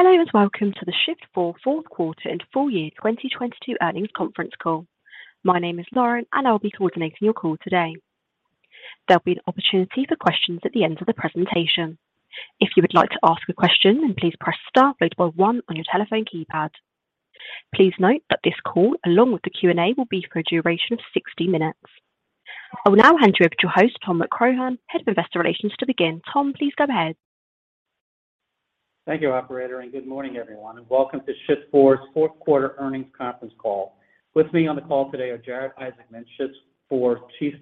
Hello and welcome to the Shift4 Q4 and full year 2022 earnings conference call. My name is Lauren, I'll be coordinating your call today. There'll be an opportunity for questions at the end of the presentation. If you would like to ask a question, then please press star followed by one on your telephone keypad. Please note that this call, along with the Q&A, will be for a duration of 60 minutes. I will now hand you over to your host, Tom McCrohan, Head of Investor Relations, to begin. Tom, please go ahead. Thank you, operator, and good morning, everyone, and welcome to Shift4's Q4 earnings conference call. With me on the call today are Jared Isaacman, Shift4's Chief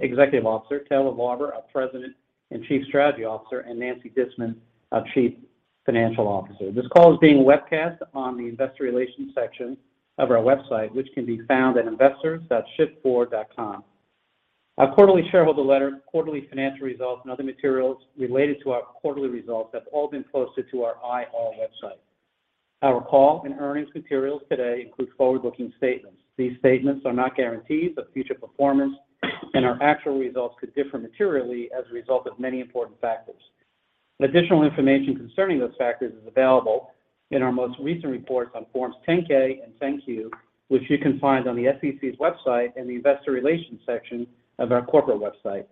Executive Officer, Taylor Lauber, our President and Chief Strategy Officer, and Nancy Disman, our Chief Financial Officer. This call is being webcast on the investor relations section of our website, which can be found at investors.shift4.com. Our quarterly shareholder letter, quarterly financial results, and other materials related to our quarterly results have all been posted to our IR website. Our call and earnings materials today include forward-looking statements. These statements are not guarantees of future performance and our actual results could differ materially as a result of many important factors. Additional information concerning those factors is available in our most recent reports on forms 10-K and 10-Q, which you can find on the SEC's website in the investor relations section of our corporate website.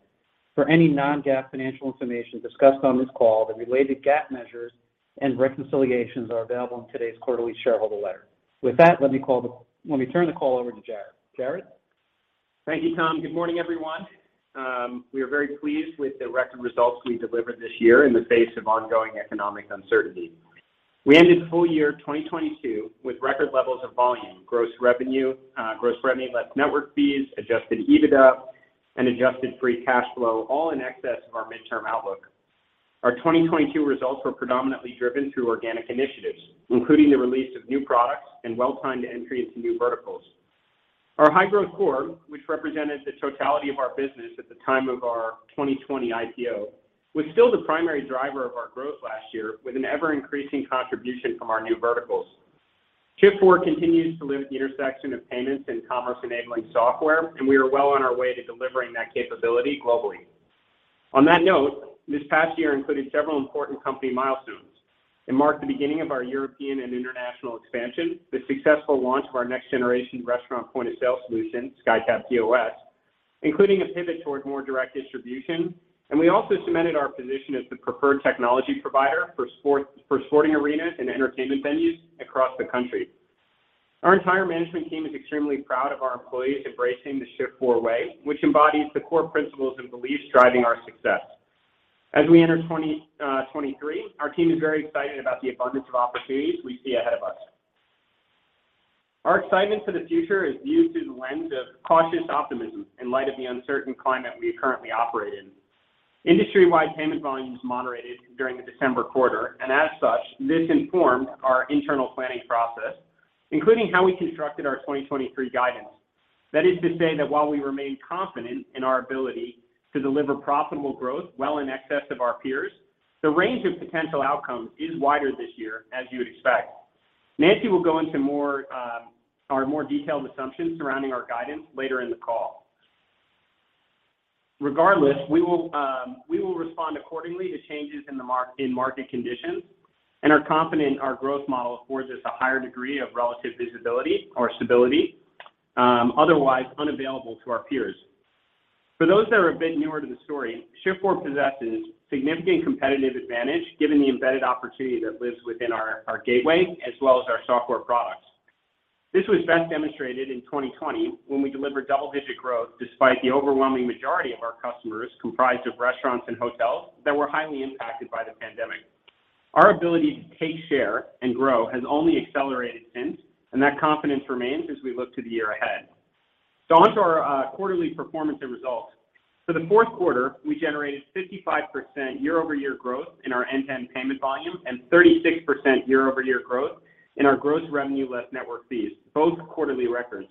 For any non-GAAP financial information discussed on this call, the related GAAP measures and reconciliations are available in today's quarterly shareholder letter. With that, let me turn the call over to Jared. Jared? Thank you, Tom. Good morning, everyone. We are very pleased with the record results we delivered this year in the face of ongoing economic uncertainty. We ended full year 2022 with record levels of volume, gross revenue, gross revenue less network fees, adjusted EBITDA, and adjusted free cash flow, all in excess of our midterm outlook. Our 2022 results were predominantly driven through organic initiatives, including the release of new products and well-timed entries to new verticals. Our high-growth core, which represented the totality of our business at the time of our 2020 IPO, was still the primary driver of our growth last year, with an ever-increasing contribution from our new verticals. Shift4 continues to live at the intersection of payments and commerce-enabling software, and we are well on our way to delivering that capability globally. On that note, this past year included several important company milestones. It marked the beginning of our European and international expansion, the successful launch of our next-generation restaurant point-of-sale solution, SkyTab POS, including a pivot towards more direct distribution, and we also cemented our position as the preferred technology provider for sporting arenas and entertainment venues across the country. Our entire management team is extremely proud of our employees embracing the Shift4 way, which embodies the core principles and beliefs driving our success. As we enter 2023, our team is very excited about the abundance of opportunities we see ahead of us. Our excitement for the future is viewed through the lens of cautious optimism in light of the uncertain climate we currently operate in. Industry-wide payment volumes moderated during the December quarter. As such, this informed our internal planning process, including how we constructed our 2023 guidance. That is to say that while we remain confident in our ability to deliver profitable growth well in excess of our peers, the range of potential outcomes is wider this year, as you would expect. Nancy will go into our more detailed assumptions surrounding our guidance later in the call. Regardless, we will respond accordingly to changes in market conditions and are confident our growth model affords us a higher degree of relative visibility or stability otherwise unavailable to our peers. For those that have been newer to the story, Shift4 possesses significant competitive advantage given the embedded opportunity that lives within our gateway as well as our software products. This was best demonstrated in 2020 when we delivered double-digit growth despite the overwhelming majority of our customers comprised of restaurants and hotels that were highly impacted by the pandemic. Our ability to take share and grow has only accelerated since, and that confidence remains as we look to the year ahead. Onto our quarterly performance and results. For the Q4, we generated 55% year-over-year growth in our end-to-end payment volume and 36% year-over-year growth in our gross revenue less network fees, both quarterly records.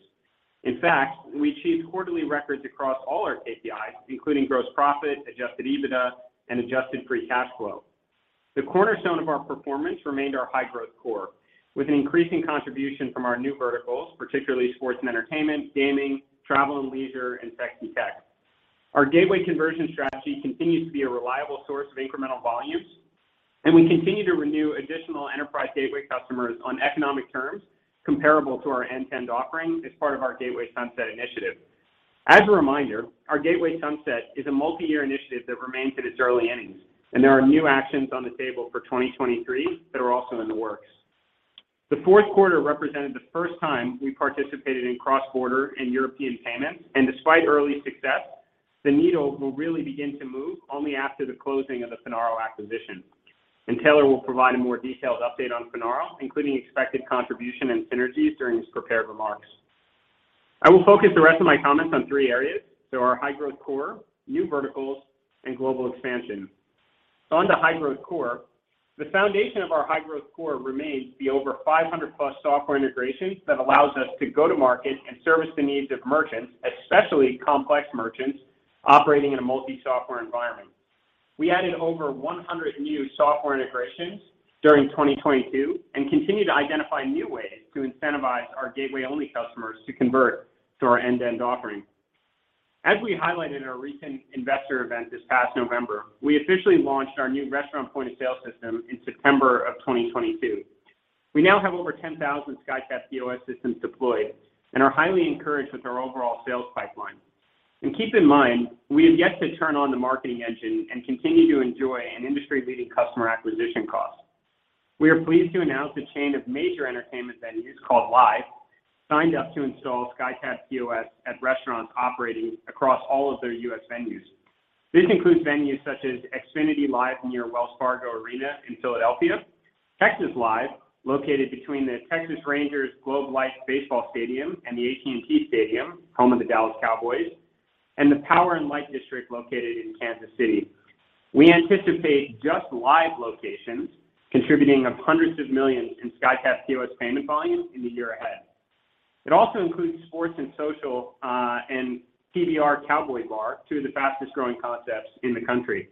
In fact, we achieved quarterly records across all our KPIs, including gross profit, adjusted EBITDA, and adjusted free cash flow. The cornerstone of our performance remained our high-growth core, with an increasing contribution from our new verticals, particularly sports and entertainment, gaming, travel and leisure, and tech and tech. Our gateway conversion strategy continues to be a reliable source of incremental volumes. We continue to renew additional enterprise gateway customers on economic terms comparable to our end-to-end offering as part of our Gateway Sunset initiative. As a reminder, our Gateway Sunset is a multi-year initiative that remains in its early innings. There are new actions on the table for 2023 that are also in the works. The Q4 represented the first time we participated in cross-border and European payments. Despite early success, the needle will really begin to move only after the closing of the Finaro acquisition. Taylor will provide a more detailed update on Finaro, including expected contribution and synergies during his prepared remarks. I will focus the rest of my comments on three areas. Our high-growth core, new verticals, and global expansion. On the high-growth core, the foundation of our high-growth core remains the over 500+ software integrations that allows us to go to market and service the needs of merchants, especially complex merchants operating in a multi-software environment. We added over 100 new software integrations during 2022 and continue to identify new ways to incentivize our gateway-only customers to convert to our end-to-end offering. As we highlighted in our recent investor event this past November, we officially launched our new restaurant point-of-sale system in September of 2022. We now have over 10,000 SkyTab POS systems deployed and are highly encouraged with our overall sales pipeline. Keep in mind, we have yet to turn on the marketing engine and continue to enjoy an industry-leading customer acquisition cost. We are pleased to announce a chain of major entertainment venues called Live! Signed up to install SkyTab POS at restaurants operating across all of their U.S. venues. This includes venues such as Xfinity Live! near Wells Fargo Arena in Philadelphia, Texas Live!, located between the Texas Rangers Globe Life Baseball Stadium and the AT&T Stadium, home of the Dallas Cowboys, and the Power and Light District located in Kansas City. We anticipate just Live! locations contributing hundreds of millions in SkyTab POS payment volume in the year ahead. It also includes Sports & Social and PBR Cowboy Bar, two of the fastest-growing concepts in the country.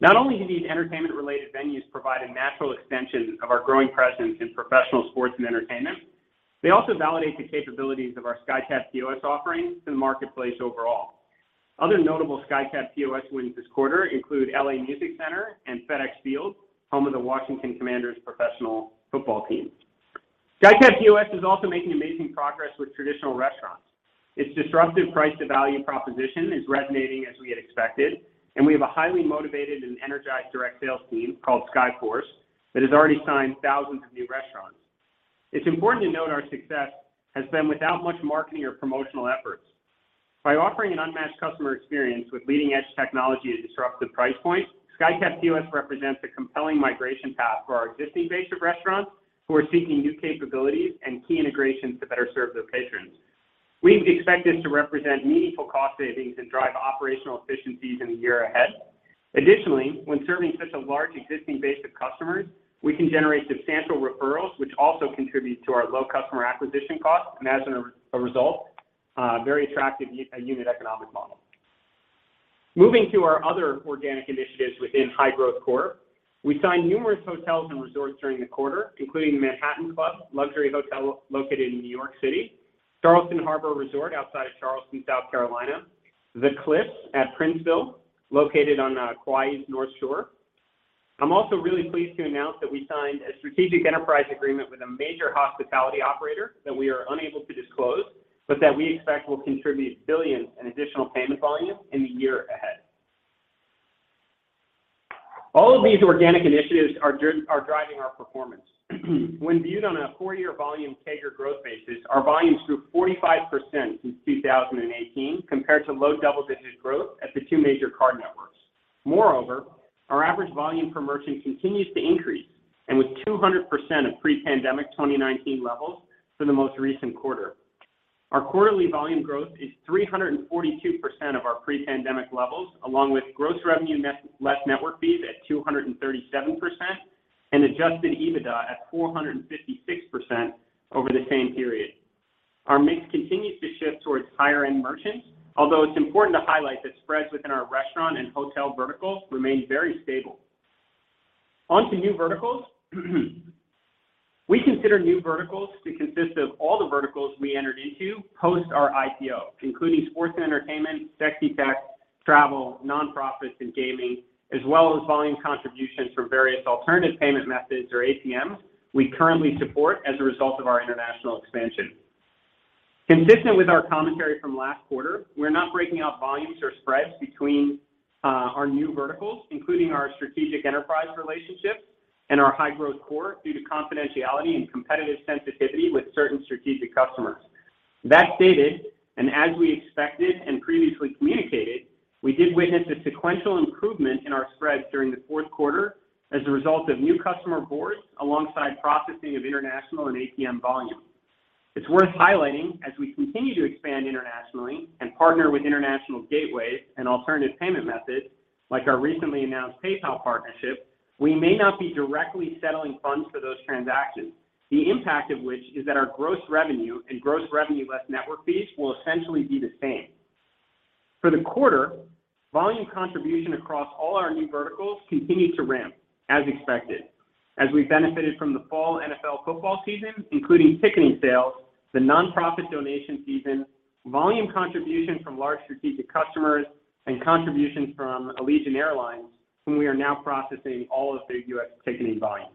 Not only do these entertainment-related venues provide a natural extension of our growing presence in professional sports and entertainment, they also validate the capabilities of our SkyTab POS offering to the marketplace overall. Other notable SkyTab POS wins this quarter include L.A. Music Center and FedExField, home of the Washington Commanders professional football team. SkyTab POS is also making amazing progress with traditional restaurants. Its disruptive price-to-value proposition is resonating as we had expected. We have a highly motivated and energized direct sales team called SkyForce that has already signed thousands of new restaurants. It's important to note our success has been without much marketing or promotional efforts. By offering an unmatched customer experience with leading-edge technology at a disruptive price point, SkyTab POS represents a compelling migration path for our existing base of restaurants who are seeking new capabilities and key integrations to better serve their patrons. We expect this to represent meaningful cost savings and drive operational efficiencies in the year ahead. Additionally, when serving such a large existing base of customers, we can generate substantial referrals, which also contribute to our low customer acquisition cost and, as a result, very attractive unit economic model. Moving to our other organic initiatives within high-growth core, we signed numerous hotels and resorts during the quarter, including The Manhattan Club luxury hotel located in New York City, Charleston Harbor Resort outside of Charleston, South Carolina, The Cliffs at Princeville, located on Kauai's North Shore. I'm also really pleased to announce that we signed a strategic enterprise agreement with a major hospitality operator that we are unable to disclose, but that we expect will contribute billions in additional payment volume in the year ahead. All of these organic initiatives are driving our performance. When viewed on a four-year volume CAGR growth basis, our volumes grew 45% since 2018 compared to low double-digit growth at the two major card networks. Moreover, our average volume per merchant continues to increase, and with 200% of pre-pandemic 2019 levels for the most recent quarter. Our quarterly volume growth is 342% of our pre-pandemic levels, along with gross revenue less network fees at 237% and adjusted EBITDA at 456% over the same period. Our mix continues to shift towards higher-end merchants, although it's important to highlight that spreads within our restaurant and hotel verticals remain very stable. On to new verticals. We consider new verticals to consist of all the verticals we entered into post our IPO, including sports and entertainment, SexTech, travel, nonprofits, and gaming, as well as volume contributions from various alternative payment methods, or APMs, we currently support as a result of our international expansion. Consistent with our commentary from last quarter, we're not breaking out volumes or spreads between our new verticals, including our strategic enterprise relationships and our high-growth core due to confidentiality and competitive sensitivity with certain strategic customers. That stated, as we expected and previously communicated, we did witness a sequential improvement in our spreads during the Q4 as a result of new customer boards alongside processing of international and APM volume. It's worth highlighting, as we continue to expand internationally and partner with international gateways and alternative payment methods, like our recently announced PayPal partnership, we may not be directly settling funds for those transactions, the impact of which is that our gross revenue and gross revenue less network fees will essentially be the same. For the quarter, volume contribution across all our new verticals continued to ramp, as expected, as we benefited from the fall NFL football season, including ticketing sales, the nonprofit donation season, volume contribution from large strategic customers, and contributions from Allegiant Air, whom we are now processing all of their U.S. ticketing volume.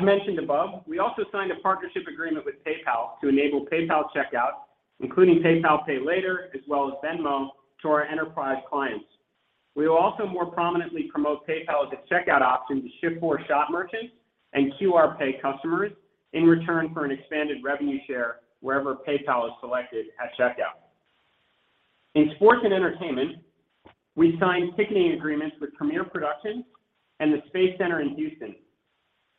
Mentioned above, we also signed a partnership agreement with PayPal to enable PayPal checkout, including PayPal Pay Later, as well as Venmo, to our enterprise clients. We will also more prominently promote PayPal as a checkout option to Shift4Shop merchants and QR Pay customers in return for an expanded revenue share wherever PayPal is selected at checkout. In sports and entertainment, we signed ticketing agreements with Premier Productions and the Space Center in Houston.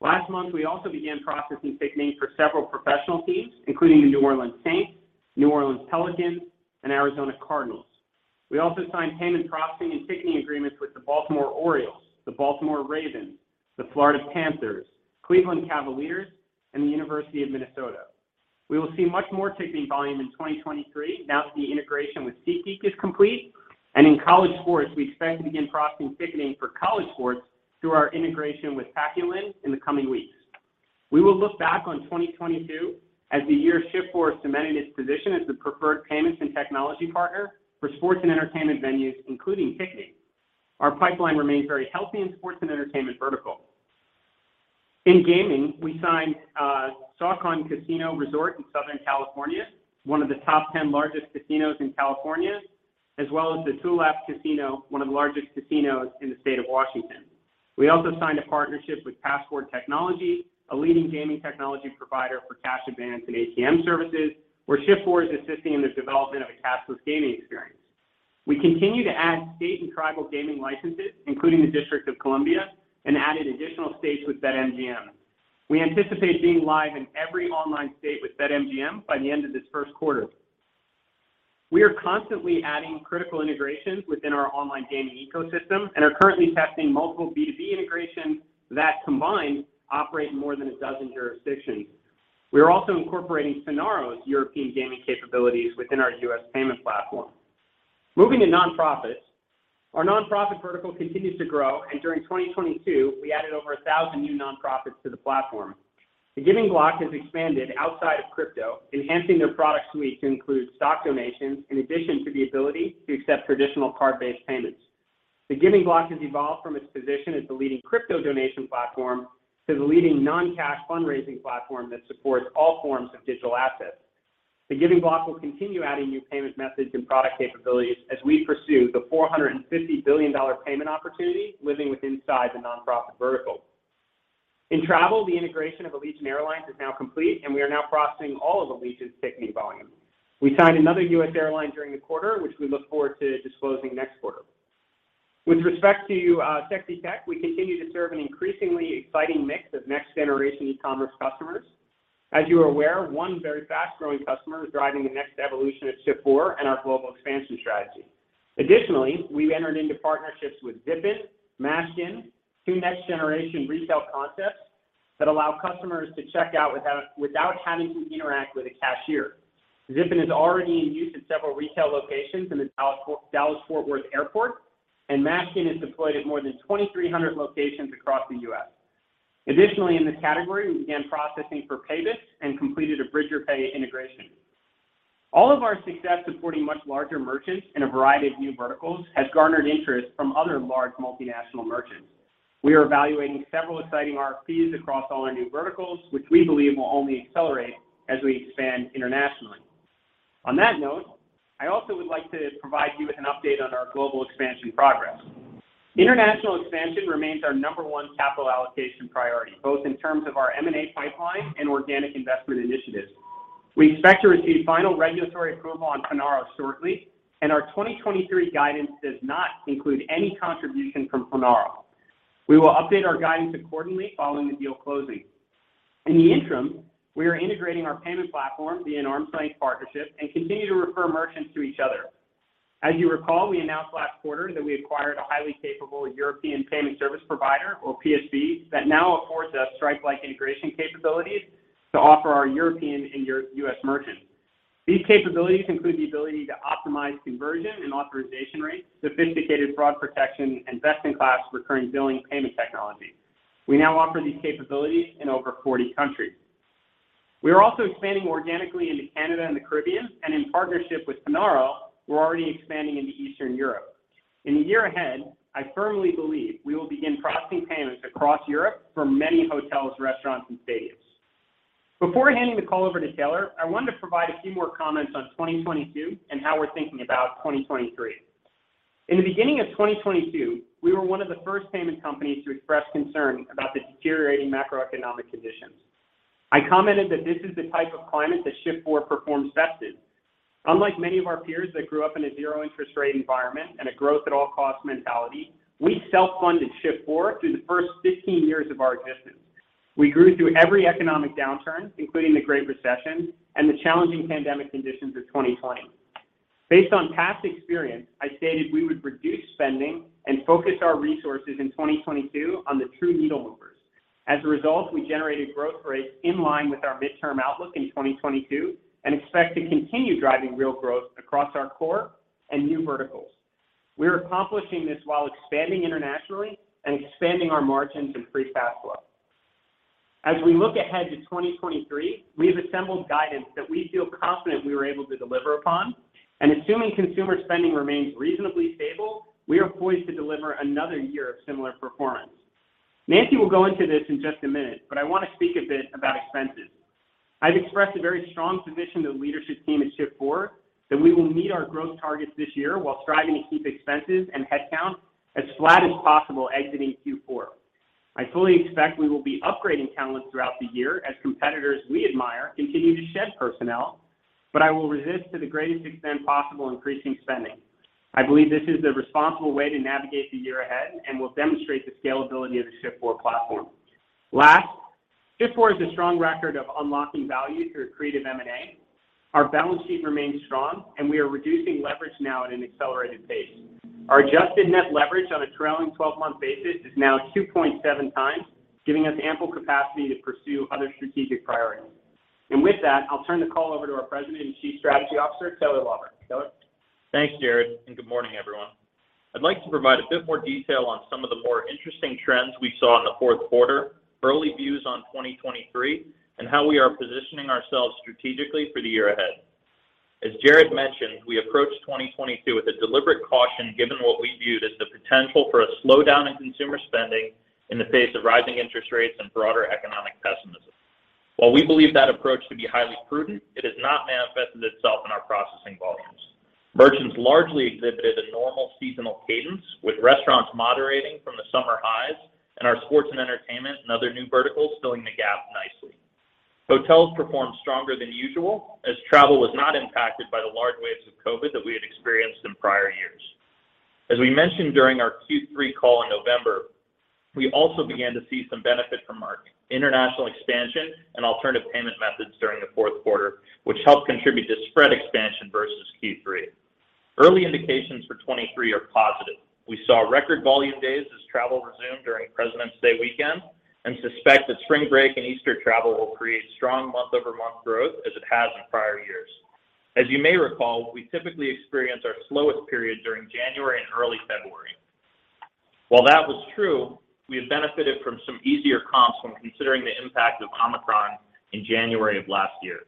Last month, we also began processing ticketing for several professional teams, including the New Orleans Saints, New Orleans Pelicans, and Arizona Cardinals. We also signed payment processing and ticketing agreements with the Baltimore Orioles, the Baltimore Ravens, the Florida Panthers, Cleveland Cavaliers, and the University of Minnesota. We will see much more ticketing volume in 2023 now that the integration with SeatGeek is complete. In college sports, we expect to begin processing ticketing for college sports through our integration with Paciolan in the coming weeks. We will look back on 2022 as the year Shift4 cemented its position as the preferred payments and technology partner for sports and entertainment venues, including ticketing. Our pipeline remains very healthy in sports and entertainment vertical. In gaming, we signed Sycuan Casino Resort in Southern California, one of the top 10 largest casinos in California, as well as the Tulalip Casino, one of the largest casinos in the state of Washington. We also signed a partnership with Passport Technology, a leading gaming technology provider for cash advance and ATM services, where Shift4 is assisting in the development of a cashless gaming experience. We continue to add state and tribal gaming licenses, including the District of Columbia, and added additional states with BetMGM. We anticipate being live in every online state with BetMGM by the end of this Q1. We are constantly adding critical integrations within our online gaming ecosystem and are currently testing multiple B2B integrations that combine operate in more than a dozen jurisdictions. We are also incorporating Finaro's European gaming capabilities within our U.S. payments platform. Moving to nonprofits. Our nonprofit vertical continues to grow, and during 2022, we added over 1,000 new nonprofits to the platform. The Giving Block has expanded outside of crypto, enhancing their product suite to include stock donations in addition to the ability to accept traditional card-based payments. The Giving Block has evolved from its position as the leading crypto donation platform to the leading non-cash fundraising platform that supports all forms of digital assets. The Giving Block will continue adding new payment methods and product capabilities as we pursue the $450 billion payment opportunity living within inside the nonprofit vertical. In travel, the integration of Allegiant Air is now complete, and we are now processing all of Allegiant's ticketing volume. We signed another U.S. airline during the quarter, which we look forward to disclosing next quarter. With respect to SexTech, we continue to serve an increasingly exciting mix of next-generation e-commerce customers. As you are aware, one very fast-growing customer is driving the next evolution of Shift4 and our global expansion strategy. Additionally, we've entered into partnerships with Zippin, Mashgin, two next-generation retail concepts that allow customers to check out without having to interact with a cashier. Zippin is already in use at several retail locations in the Dallas Fort Worth Airport, and Mashgin is deployed at more than 2,300 locations across the U.S. Additionally, in this category, we began processing for payments and completed a bridged payment integration. All of our success supporting much larger merchants in a variety of new verticals has garnered interest from other large multinational merchants. We are evaluating several exciting RFPs across all our new verticals, which we believe will only accelerate as we expand internationally. On that note, I also would like to provide you with an update on our global expansion progress. International expansion remains our number one capital allocation priority, both in terms of our M&A pipeline and organic investment initiatives. We expect to receive final regulatory approval on Finaro shortly, and our 2023 guidance does not include any contribution from Finaro. We will update our guidance accordingly following the deal closing. In the interim, we are integrating our payment platform via an arm's length partnership and continue to refer merchants to each other. As you recall, we announced last quarter that we acquired a highly capable European payment service provider or PSP that now affords us Stripe-like integration capabilities to offer our European and U.S. merchants. These capabilities include the ability to optimize conversion and authorization rates, sophisticated fraud protection, and best-in-class recurring billing payment technology. We now offer these capabilities in over 40 countries. We are also expanding organically into Canada and the Caribbean, and in partnership with Finaro, we're already expanding into Eastern Europe. In the year ahead, I firmly believe we will begin processing payments across Europe for many hotels, restaurants, and stadiums. Before handing the call over to Taylor, I wanted to provide a few more comments on 2022 and how we're thinking about 2023. In the beginning of 2022, we were one of the first payment companies to express concern about the deteriorating macroeconomic conditions. I commented that this is the type of climate that Shift4 performs best in. Unlike many of our peers that grew up in a zero interest rate environment and a growth at all costs mentality, we self-funded Shift4 through the first 15 years of our existence. We grew through every economic downturn, including the Great Recession and the challenging pandemic conditions of 2020. Based on past experience, I stated we would reduce spending and focus our resources in 2022 on the true needle movers. A result, we generated growth rates in line with our midterm outlook in 2022 and expect to continue driving real growth across our core and new verticals. We're accomplishing this while expanding internationally and expanding our margins and free cash flow. We look ahead to 2023, we have assembled guidance that we feel confident we were able to deliver upon. Assuming consumer spending remains reasonably stable, we are poised to deliver another year of similar performance. Nancy will go into this in just a minute. I want to speak a bit about expenses. I've expressed a very strong position to the leadership team at Shift4 that we will meet our growth targets this year while striving to keep expenses and headcount as flat as possible exiting Q4. I fully expect we will be upgrading talent throughout the year as competitors we admire continue to shed personnel, I will resist to the greatest extent possible increasing spending. I believe this is the responsible way to navigate the year ahead and will demonstrate the scalability of the Shift4 platform. Last, Shift4 has a strong record of unlocking value through accretive M&A. Our balance sheet remains strong, we are reducing leverage now at an accelerated pace. Our adjusted net leverage on a trailing twelve-month basis is now 2.7x, giving us ample capacity to pursue other strategic priorities. With that, I'll turn the call over to our President and Chief Strategy Officer, Taylor Lauber. Taylor? Thanks, Jared. Good morning, everyone. I'd like to provide a bit more detail on some of the more interesting trends we saw in the Q4, early views on 2023, and how we are positioning ourselves strategically for the year ahead. As Jared mentioned, we approached 2022 with a deliberate caution, given what we viewed as the potential for a slowdown in consumer spending in the face of rising interest rates and broader economic pessimism. While we believe that approach to be highly prudent, it has not manifested itself in our processing volumes. Merchants largely exhibited a normal seasonal cadence, with restaurants moderating from the summer highs and our sports and entertainment and other new verticals filling the gap nicely. Hotels performed stronger than usual as travel was not impacted by the large waves of COVID that we had experienced in prior years. As we mentioned during our Q3 call in November, we also began to see some benefit from our international expansion and alternative payment methods during the Q4, which helped contribute to spread expansion versus Q3. Early indications for 23 are positive. We saw record volume days as travel resumed during President's Day weekend and suspect that spring break and Easter travel will create strong month-over-month growth as it has in prior years. As you may recall, we typically experience our slowest period during January and early February. While that was true, we have benefited from some easier comps when considering the impact of Omicron in January of last year.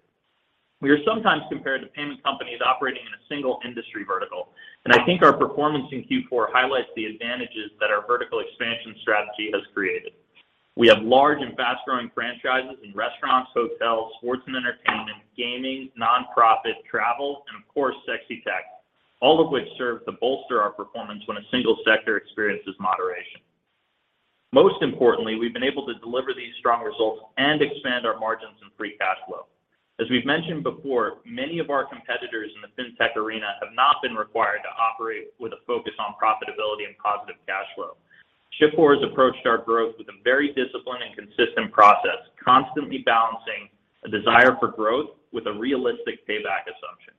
We are sometimes compared to payment companies operating in a single industry vertical. I think our performance in Q4 highlights the advantages that our vertical expansion strategy has created. We have large and fast-growing franchises in restaurants, hotels, sports and entertainment, gaming, nonprofit, travel, and of course, SexTech. All of which serve to bolster our performance when a single sector experiences moderation. Most importantly, we've been able to deliver these strong results and expand our margins and free cash flow. As we've mentioned before, many of our competitors in the fintech arena have not been required to operate with a focus on profitability and positive cash flow. Shift4 has approached our growth with a very disciplined and consistent process, constantly balancing a desire for growth with a realistic payback assumption.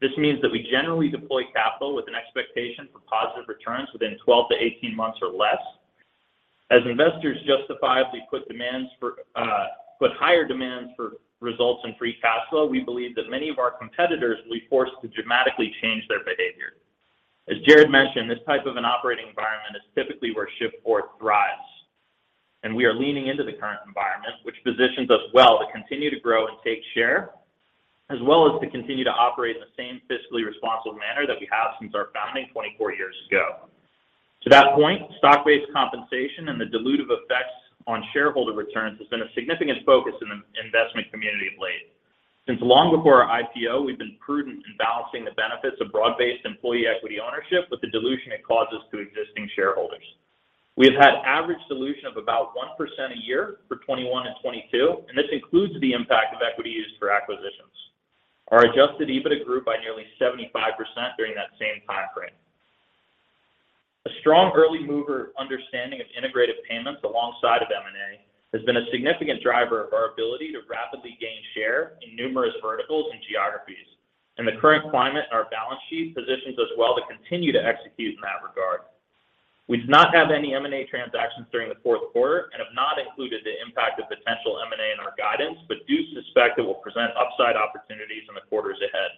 This means that we generally deploy capital with an expectation for positive returns within 12-18 months or less. As investors justifiably put higher demands for results in free cash flow, we believe that many of our competitors will be forced to dramatically change their behavior. As Jared mentioned, this type of an operating environment is typically where Shift4 thrives, and we are leaning into the current environment which positions us well to continue to grow and take share, as well as to continue to operate in the same fiscally responsible manner that we have since our founding 24 years ago. To that point, stock-based compensation and the dilutive effects on shareholder returns has been a significant focus in the investment community of late. Since long before our IPO, we've been prudent in balancing the benefits of broad-based employee equity ownership with the dilution it causes to existing shareholders. We have had average dilution of about 1% a year for 2021 and 2022, and this includes the impact of equity used for acquisitions. Our adjusted EBITDA grew by nearly 75% during that same time frame. A strong early mover understanding of integrated payments alongside of M&A has been a significant driver of our ability to rapidly gain share in numerous verticals and geographies. In the current climate, our balance sheet positions us well to continue to execute in that regard. We did not have any M&A transactions during the Q4 and have not included the impact of potential M&A in our guidance, but do suspect it will present upside opportunities in the quarters ahead.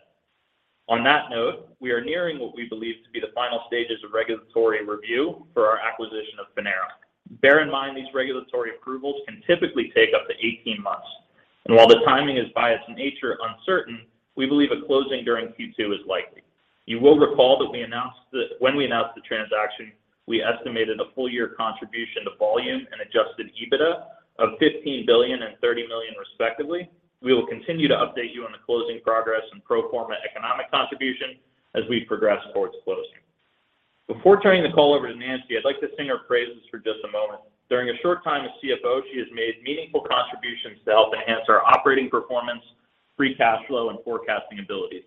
On that note, we are nearing what we believe to be the final stages of regulatory review for our acquisition of Finaro. Bear in mind, these regulatory approvals can typically take up to 18 months, while the timing is by its nature uncertain, we believe a closing during Q2 is likely. You will recall that when we announced the transaction, we estimated a full year contribution to volume and adjusted EBITDA of $15 billion and $30 million respectively. We will continue to update you on the closing progress and pro forma economic contribution as we progress towards closing. Before turning the call over to Nancy, I'd like to sing her praises for just a moment. During her short time as CFO, she has made meaningful contributions to help enhance our operating performance, free cash flow, and forecasting abilities.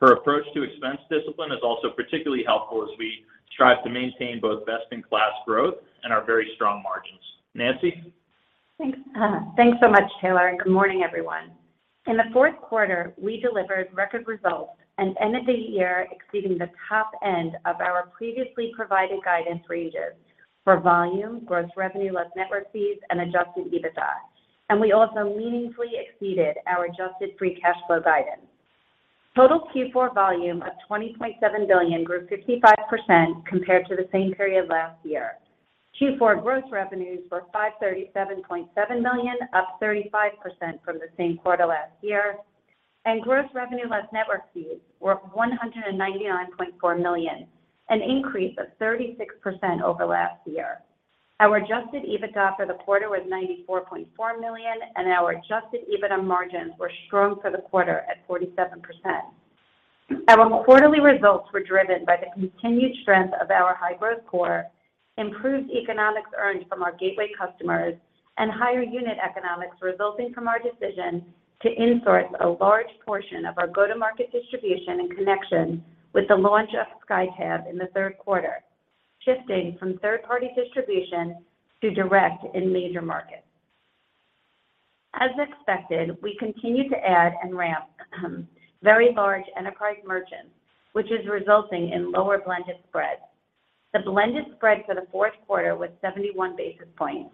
Her approach to expense discipline is also particularly helpful as we strive to maintain both best in class growth and our very strong margins. Nancy? Thanks. Thanks so much, Taylor. Good morning everyone. In the Q4, we delivered record results and ended the year exceeding the top end of our previously provided guidance ranges for volume, gross revenue, less network fees, and adjusted EBITDA. We also meaningfully exceeded our adjusted free cash flow guidance. Total Q4 volume of $20.7 billion grew 55% compared to the same period last year. Q4 gross revenues were $537.7 million, up 35% from the same quarter last year. Gross revenue less network fees were $199.4 million, an increase of 36% over last year. Our adjusted EBITDA for the quarter was $94.4 million. Our adjusted EBITDA margins were strong for the quarter at 47%. Our quarterly results were driven by the continued strength of our high-growth core, improved economics earned from our gateway customers, and higher unit economics resulting from our decision to in-source a large portion of our go-to-market distribution in connection with the launch of SkyTab in the Q3, shifting from third-party distribution to direct in major markets. As expected, we continue to add and ramp, very large enterprise merchants, which is resulting in lower blended spreads. The blended spread for the Q4 was 71 basis points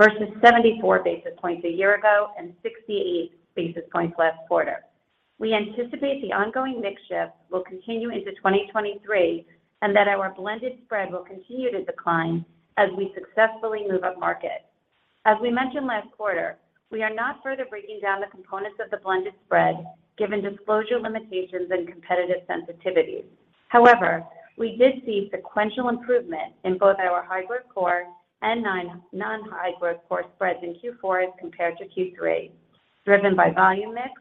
versus 74 basis points a year ago and 68 basis points last quarter. We anticipate the ongoing mix shift will continue into 2023 and that our blended spread will continue to decline as we successfully move up market. As we mentioned last quarter, we are not further breaking down the components of the blended spread given disclosure limitations and competitive sensitivities. We did see sequential improvement in both our high-growth core and non-high-growth core spreads in Q4 as compared to Q3, driven by volume mix,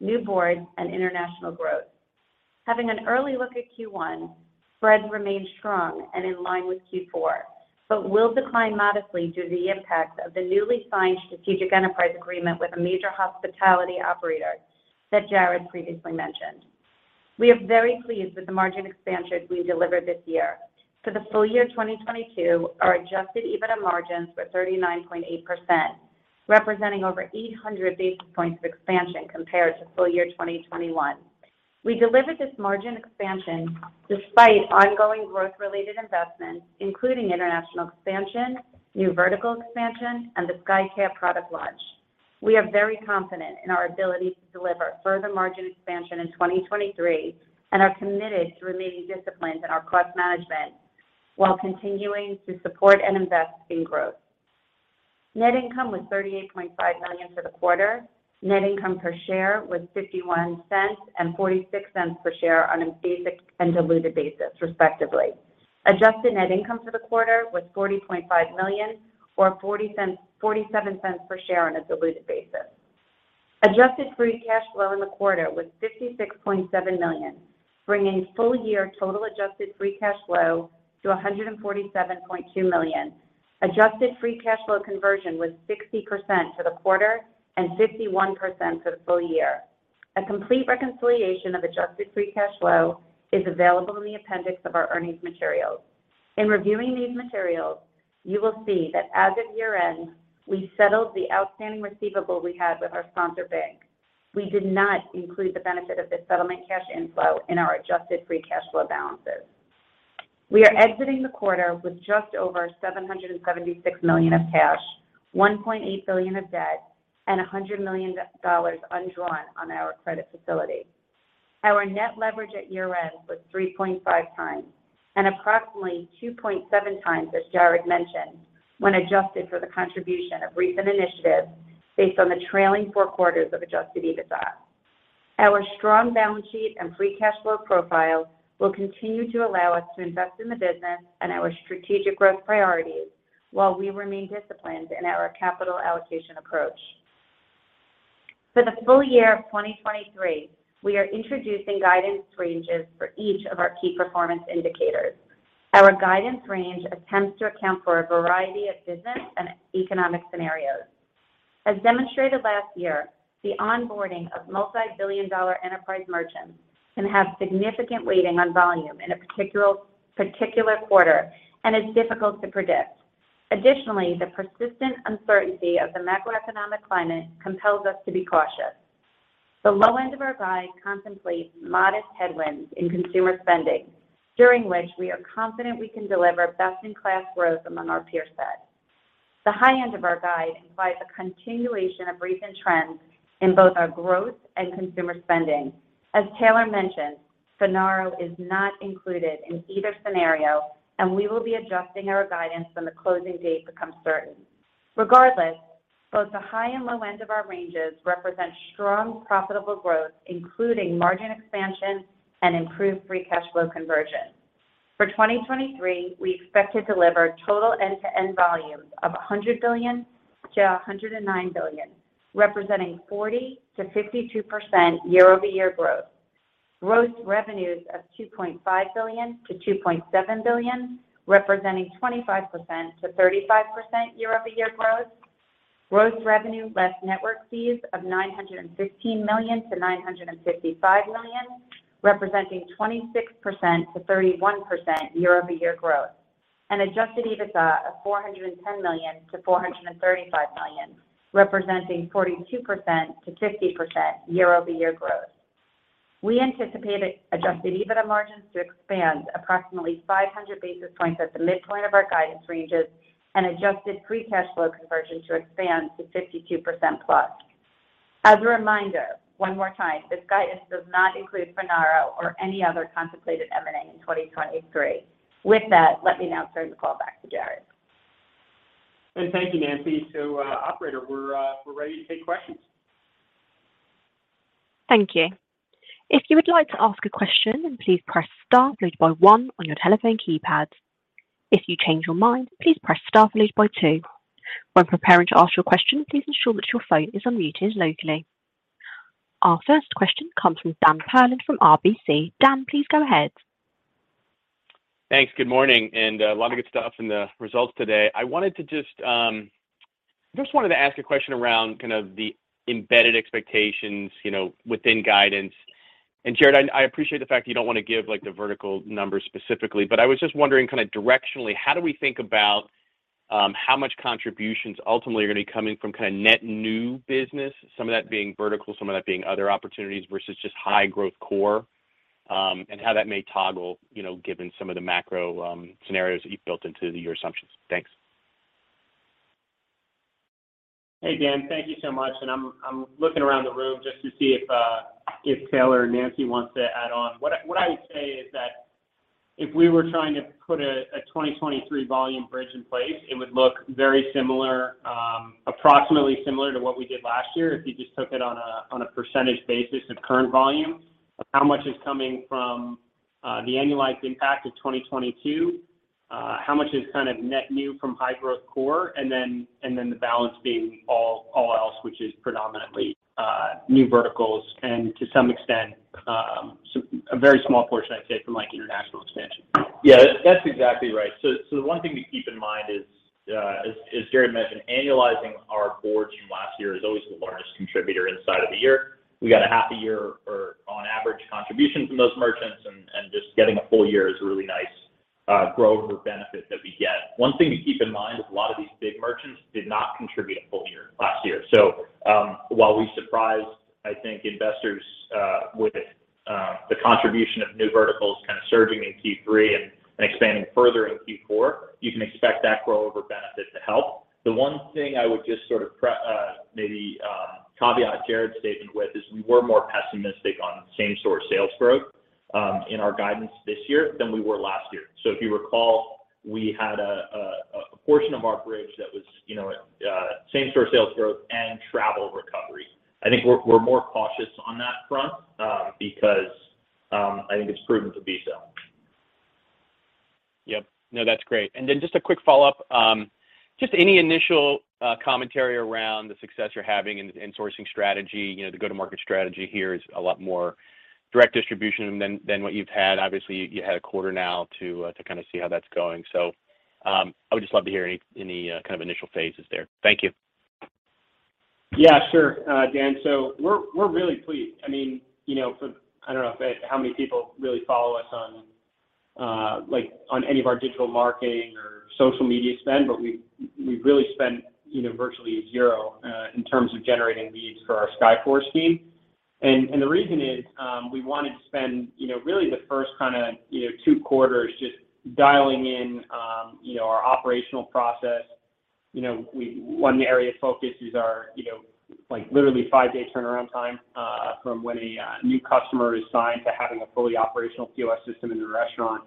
new boards, and international growth. Having an early look at Q1, spreads remain strong and in line with Q4, but will decline modestly due to the impact of the newly signed strategic enterprise agreement with a major hospitality operator that Jared previously mentioned. We are very pleased with the margin expansion we delivered this year. For the full year 2022, our adjusted EBITDA margins were 39.8%, representing over 800 basis points of expansion compared to full year 2021. We delivered this margin expansion despite ongoing growth-related investments, including international expansion, new vertical expansion, and the SkyCare product launch. We are very confident in our ability to deliver further margin expansion in 2023 and are committed to remaining disciplined in our cost management while continuing to support and invest in growth. Net income was $38.5 million for the quarter. Net income per share was $0.51 and $0.46 per share on a basic and diluted basis, respectively. Adjusted net income for the quarter was $40.5 million or $0.47 per share on a diluted basis. Adjusted free cash flow in the quarter was $56.7 million, bringing full-year total adjusted free cash flow to $147.2 million. Adjusted free cash flow conversion was 60% for the quarter and 51% for the full year. A complete reconciliation of adjusted free cash flow is available in the appendix of our earnings materials. In reviewing these materials, you will see that as of year-end, we settled the outstanding receivable we had with our sponsor bank. We did not include the benefit of this settlement cash inflow in our adjusted free cash flow balances. We are exiting the quarter with just over $776 million of cash, $1.8 billion of debt, and $100 million dollars undrawn on our credit facility. Our net leverage at year-end was 3.5x and approximately 2.7x, as Jared mentioned, when adjusted for the contribution of recent initiatives based on the trailing four quarters of adjusted EBITDA. Our strong balance sheet and free cash flow profile will continue to allow us to invest in the business and our strategic growth priorities while we remain disciplined in our capital allocation approach. For the full year of 2023, we are introducing guidance ranges for each of our KPIs. Our guidance range attempts to account for a variety of business and economic scenarios. As demonstrated last year, the onboarding of multi-billion dollar enterprise merchants can have significant weighting on volume in a particular quarter and is difficult to predict. Additionally, the persistent uncertainty of the macroeconomic climate compels us to be cautious. The low end of our guide contemplates modest headwinds in consumer spending, during which we are confident we can deliver best-in-class growth among our peer set. The high end of our guide implies a continuation of recent trends in both our growth and consumer spending. As Taylor mentioned, Finaro is not included in either scenario, and we will be adjusting our guidance when the closing date becomes certain. Regardless, both the high and low end of our ranges represent strong, profitable growth, including margin expansion and improved free cash flow conversion. For 2023, we expect to deliver total end-to-end volumes of $100 billion-$109 billion, representing 40%-52% year-over-year growth. Gross revenues of $2.5 billion-$2.7 billion, representing 25%-35% year-over-year growth. Gross revenue less network fees of $915 million-$955 million, representing 26%-31% year-over-year growth. Adjusted EBITDA of $410 million-$435 million, representing 42%-50% year-over-year growth. We anticipate adjusted EBITDA margins to expand approximately 500 basis points at the midpoint of our guidance ranges and adjusted free cash flow conversion to expand to 52%+. As a reminder, one more time, this guidance does not include Finaro or any other contemplated M&A in 2023. With that, let me now turn the call back to Jared. Thank you, Nancy. Operator, we're ready to take questions. Thank you. If you would like to ask a question, please press star followed by one on your telephone keypad. If you change your mind, please press star followed by two. When preparing to ask your question, please ensure that your phone is unmuted locally. Our first question comes from Dan Perlin from RBC. Dan, please go ahead. Thanks. Good morning, a lot of good stuff in the results today. I just wanted to ask a question around kind of the embedded expectations, you know, within guidance. Jared, I appreciate the fact that you don't want to give like the vertical numbers specifically, but I was just wondering kind of directionally, how do we think about how much contributions ultimately are going to be coming from kind of net new business, some of that being vertical, some of that being other opportunities versus just high growth core, and how that may toggle, you know, given some of the macro scenarios that you've built into your assumptions? Thanks. Hey Dan, thank you so much. I'm looking around the room just to see if Taylor or Nancy wants to add on. What I would say is that if we were trying to put a 2023 volume bridge in place, it would look very similar, approximately similar to what we did last year. If you just took it on a percentage basis of current volume, of how much is coming from the annualized impact of 2022, how much is kind of net new from high growth core, and then the balance being all else, which is predominantly new verticals and to some extent, a very small portion, I'd say from like international expansion. Yeah. That's exactly right. The one thing to keep in mind is, as Jared mentioned, annualizing our fourth from last year is always the largest contributor inside of the year. We got a half a year or on average contribution from those merchants, and just getting a full year is a really nice grow over benefit that we get. One thing to keep in mind is a lot of these big merchants did not contribute a full year last year. While we surprised, I think, investors, with the contribution of new verticals kind of surging in Q3 and expanding further in Q4, you can expect that grow over benefit to help. The one thing I would just sort of maybe caveat Jared's statement with is we were more pessimistic on same store sales growth in our guidance this year than we were last year. If you recall, we had a portion of our bridge that was, you know, same store sales growth and travel recovery. I think we're more cautious on that front, because I think it's proven to be so. Yep. No, that's great. Just a quick follow-up, just any initial commentary around the success you're having in sourcing strategy. You know, the go-to-market strategy here is a lot more direct distribution than what you've had. Obviously, you had a quarter now to kind of see how that's going. I would just love to hear any kind of initial phases there. Thank you. Yeah, sure, Dan. We're really pleased. I mean, you know, for, I don't know how many people really follow us on like on any of our digital marketing or social media spend, but we've really spent, you know, virtually zero in terms of generating leads for our SkyForce team. The reason is, we wanted to spend, you know, really the first kind of, you know, two quarters just dialing in, you know, our operational process. You know, One area of focus is our, you know, like literally five-day turnaround time from when a new customer is signed to having a fully operational POS system in the restaurant.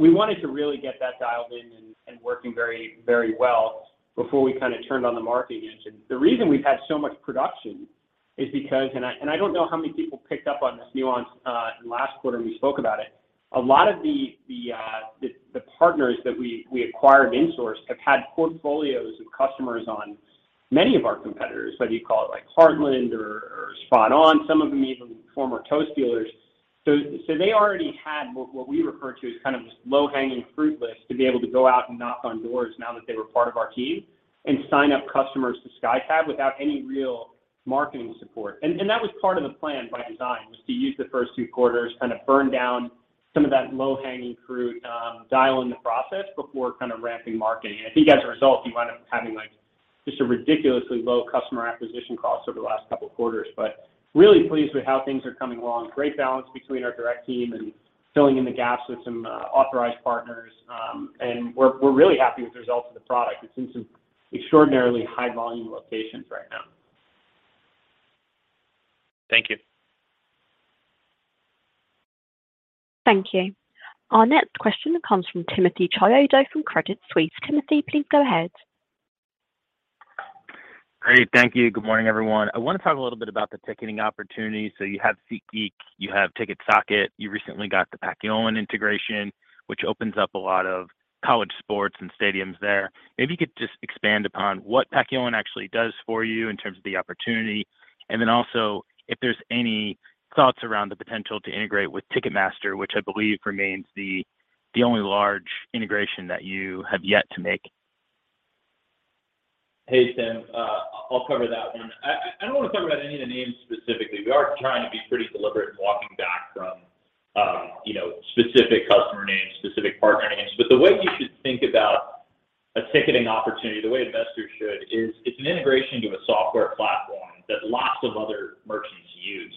We wanted to really get that dialed in and working very, very well before we kind of turned on the marketing engine. The reason we've had so much production is because, and I, and I don't know how many people picked up on this nuance in last quarter when we spoke about it. A lot of the partners that we acquired in source have had portfolios of customers on many of our competitors, whether you call it like Heartland or SpotOn, some of them even former Toast dealers. They already had what we refer to as kind of this low hanging fruit list to be able to go out and knock on doors now that they were part of our team and sign up customers to SkyTab without any real marketing support. That was part of the plan by design, was to use the first two quarters, kind of burn down some of that low hanging fruit, dial in the process before kind of ramping marketing. I think as a result, you wind up having like just a ridiculously low customer acquisition cost over the last couple quarters. Really pleased with how things are coming along. Great balance between our direct team and filling in the gaps with some authorized partners. We're really happy with the results of the product. It's in some extraordinarily high volume locations right now. Thank you. Thank you. Our next question comes from Timothy Chiodo from Credit Suisse. Timothy, please go ahead. Great. Thank you. Good morning, everyone. I wanna talk a little bit about the ticketing opportunity. You have SeatGeek, you have TicketSocket, you recently got the Paciolan integration, which opens up a lot of college sports and stadiums there. Maybe you could just expand upon what Paciolan actually does for you in terms of the opportunity. Then also if there's any thoughts around the potential to integrate with Ticketmaster, which I believe remains the only large integration that you have yet to make. Hey, Tim. I'll cover that one. I don't wanna talk about any of the names specifically. We are trying to be pretty deliberate in walking back from, you know, specific customer names, specific partner names. The way you should think about a ticketing opportunity, the way investors should is, it's an integration to a software platform that lots of other merchants use.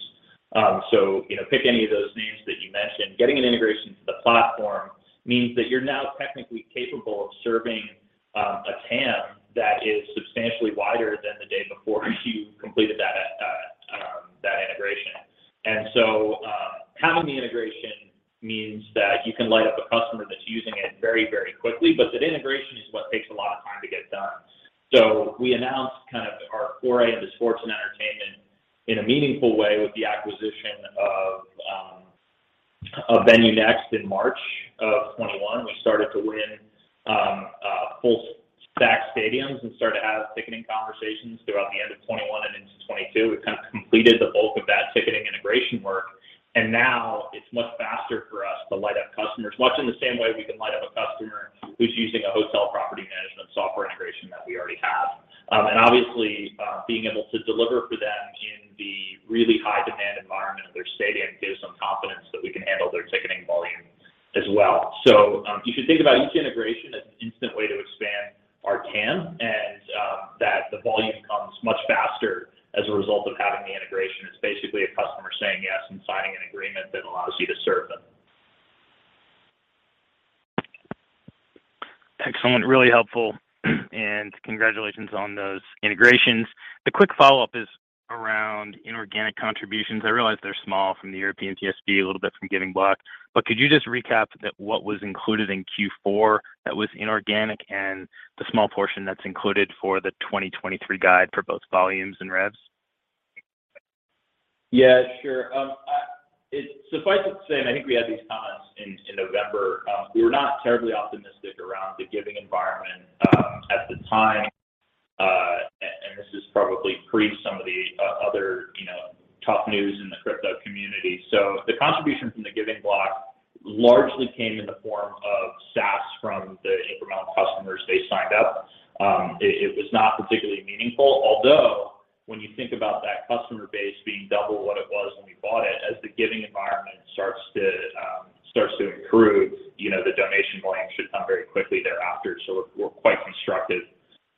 So, you know, pick any of those names that you mentioned. Getting an integration to the platform means that you're now technically capable of serving a TAM that is substantially wider than the day before you completed that integration. Having the integration means that you can light up a customer that's using it very, very quickly, but that integration is what takes a lot of time to get done. We announced kind of our foray into sports and entertainment in a meaningful way with the acquisition of VenueNext in March of 2021. We started to win full stack stadiums and started to have ticketing conversations throughout the end of 2021 and into 2022. We kind of completed the bulk of that ticketing integration work, and now it's much faster for us to light up customers, much in the same way we can light up a customer who's using a hotel property management software integration that we already have. Obviously, being able to deliver for them in the really high demand environment of their stadium gives them confidence that we can handle their ticketing volume as well. You should think about each integration as an instant way to expand our TAM and, that the volume comes much faster as a result of having the integration. It's basically a customer saying yes and signing an agreement that allows you to serve them. Excellent. Really helpful. Congratulations on those integrations. The quick follow-up is around inorganic contributions. I realize they're small from the European TSP, a little bit from The Giving Block. Could you just recap that what was included in Q4 that was inorganic, and the small portion that's included for the 2023 guide for both volumes and revs? Yeah, sure. Suffice it to say, I think we had these comments in November, we were not terribly optimistic around the giving environment at the time. This is probably pre some of the other, you know, tough news in the crypto community. The contribution from The Giving Block largely came in the form of SaaS from the incremental customers they signed up. It was not particularly meaningful, although when you think about that customer base being double what it was when we bought it, as the giving environment starts to improve, you know, the donation volume should come very quickly thereafter. We're quite constructive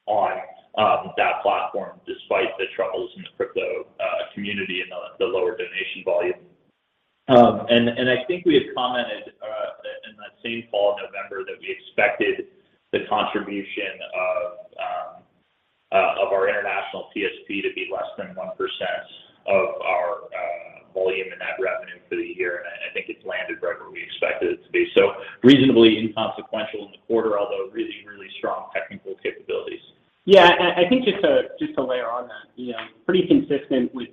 on that platform despite the troubles in the crypto community and the lower donation volume. I think we had commented that in that same call in November that we expected the contribution of our international TSP to be less than 1% of our volume in that revenue for the year. I think it's landed right where we expected it to be. Reasonably inconsequential in the quarter, although really strong technical capabilities. Yeah. I think just to layer on that, you know, pretty consistent with.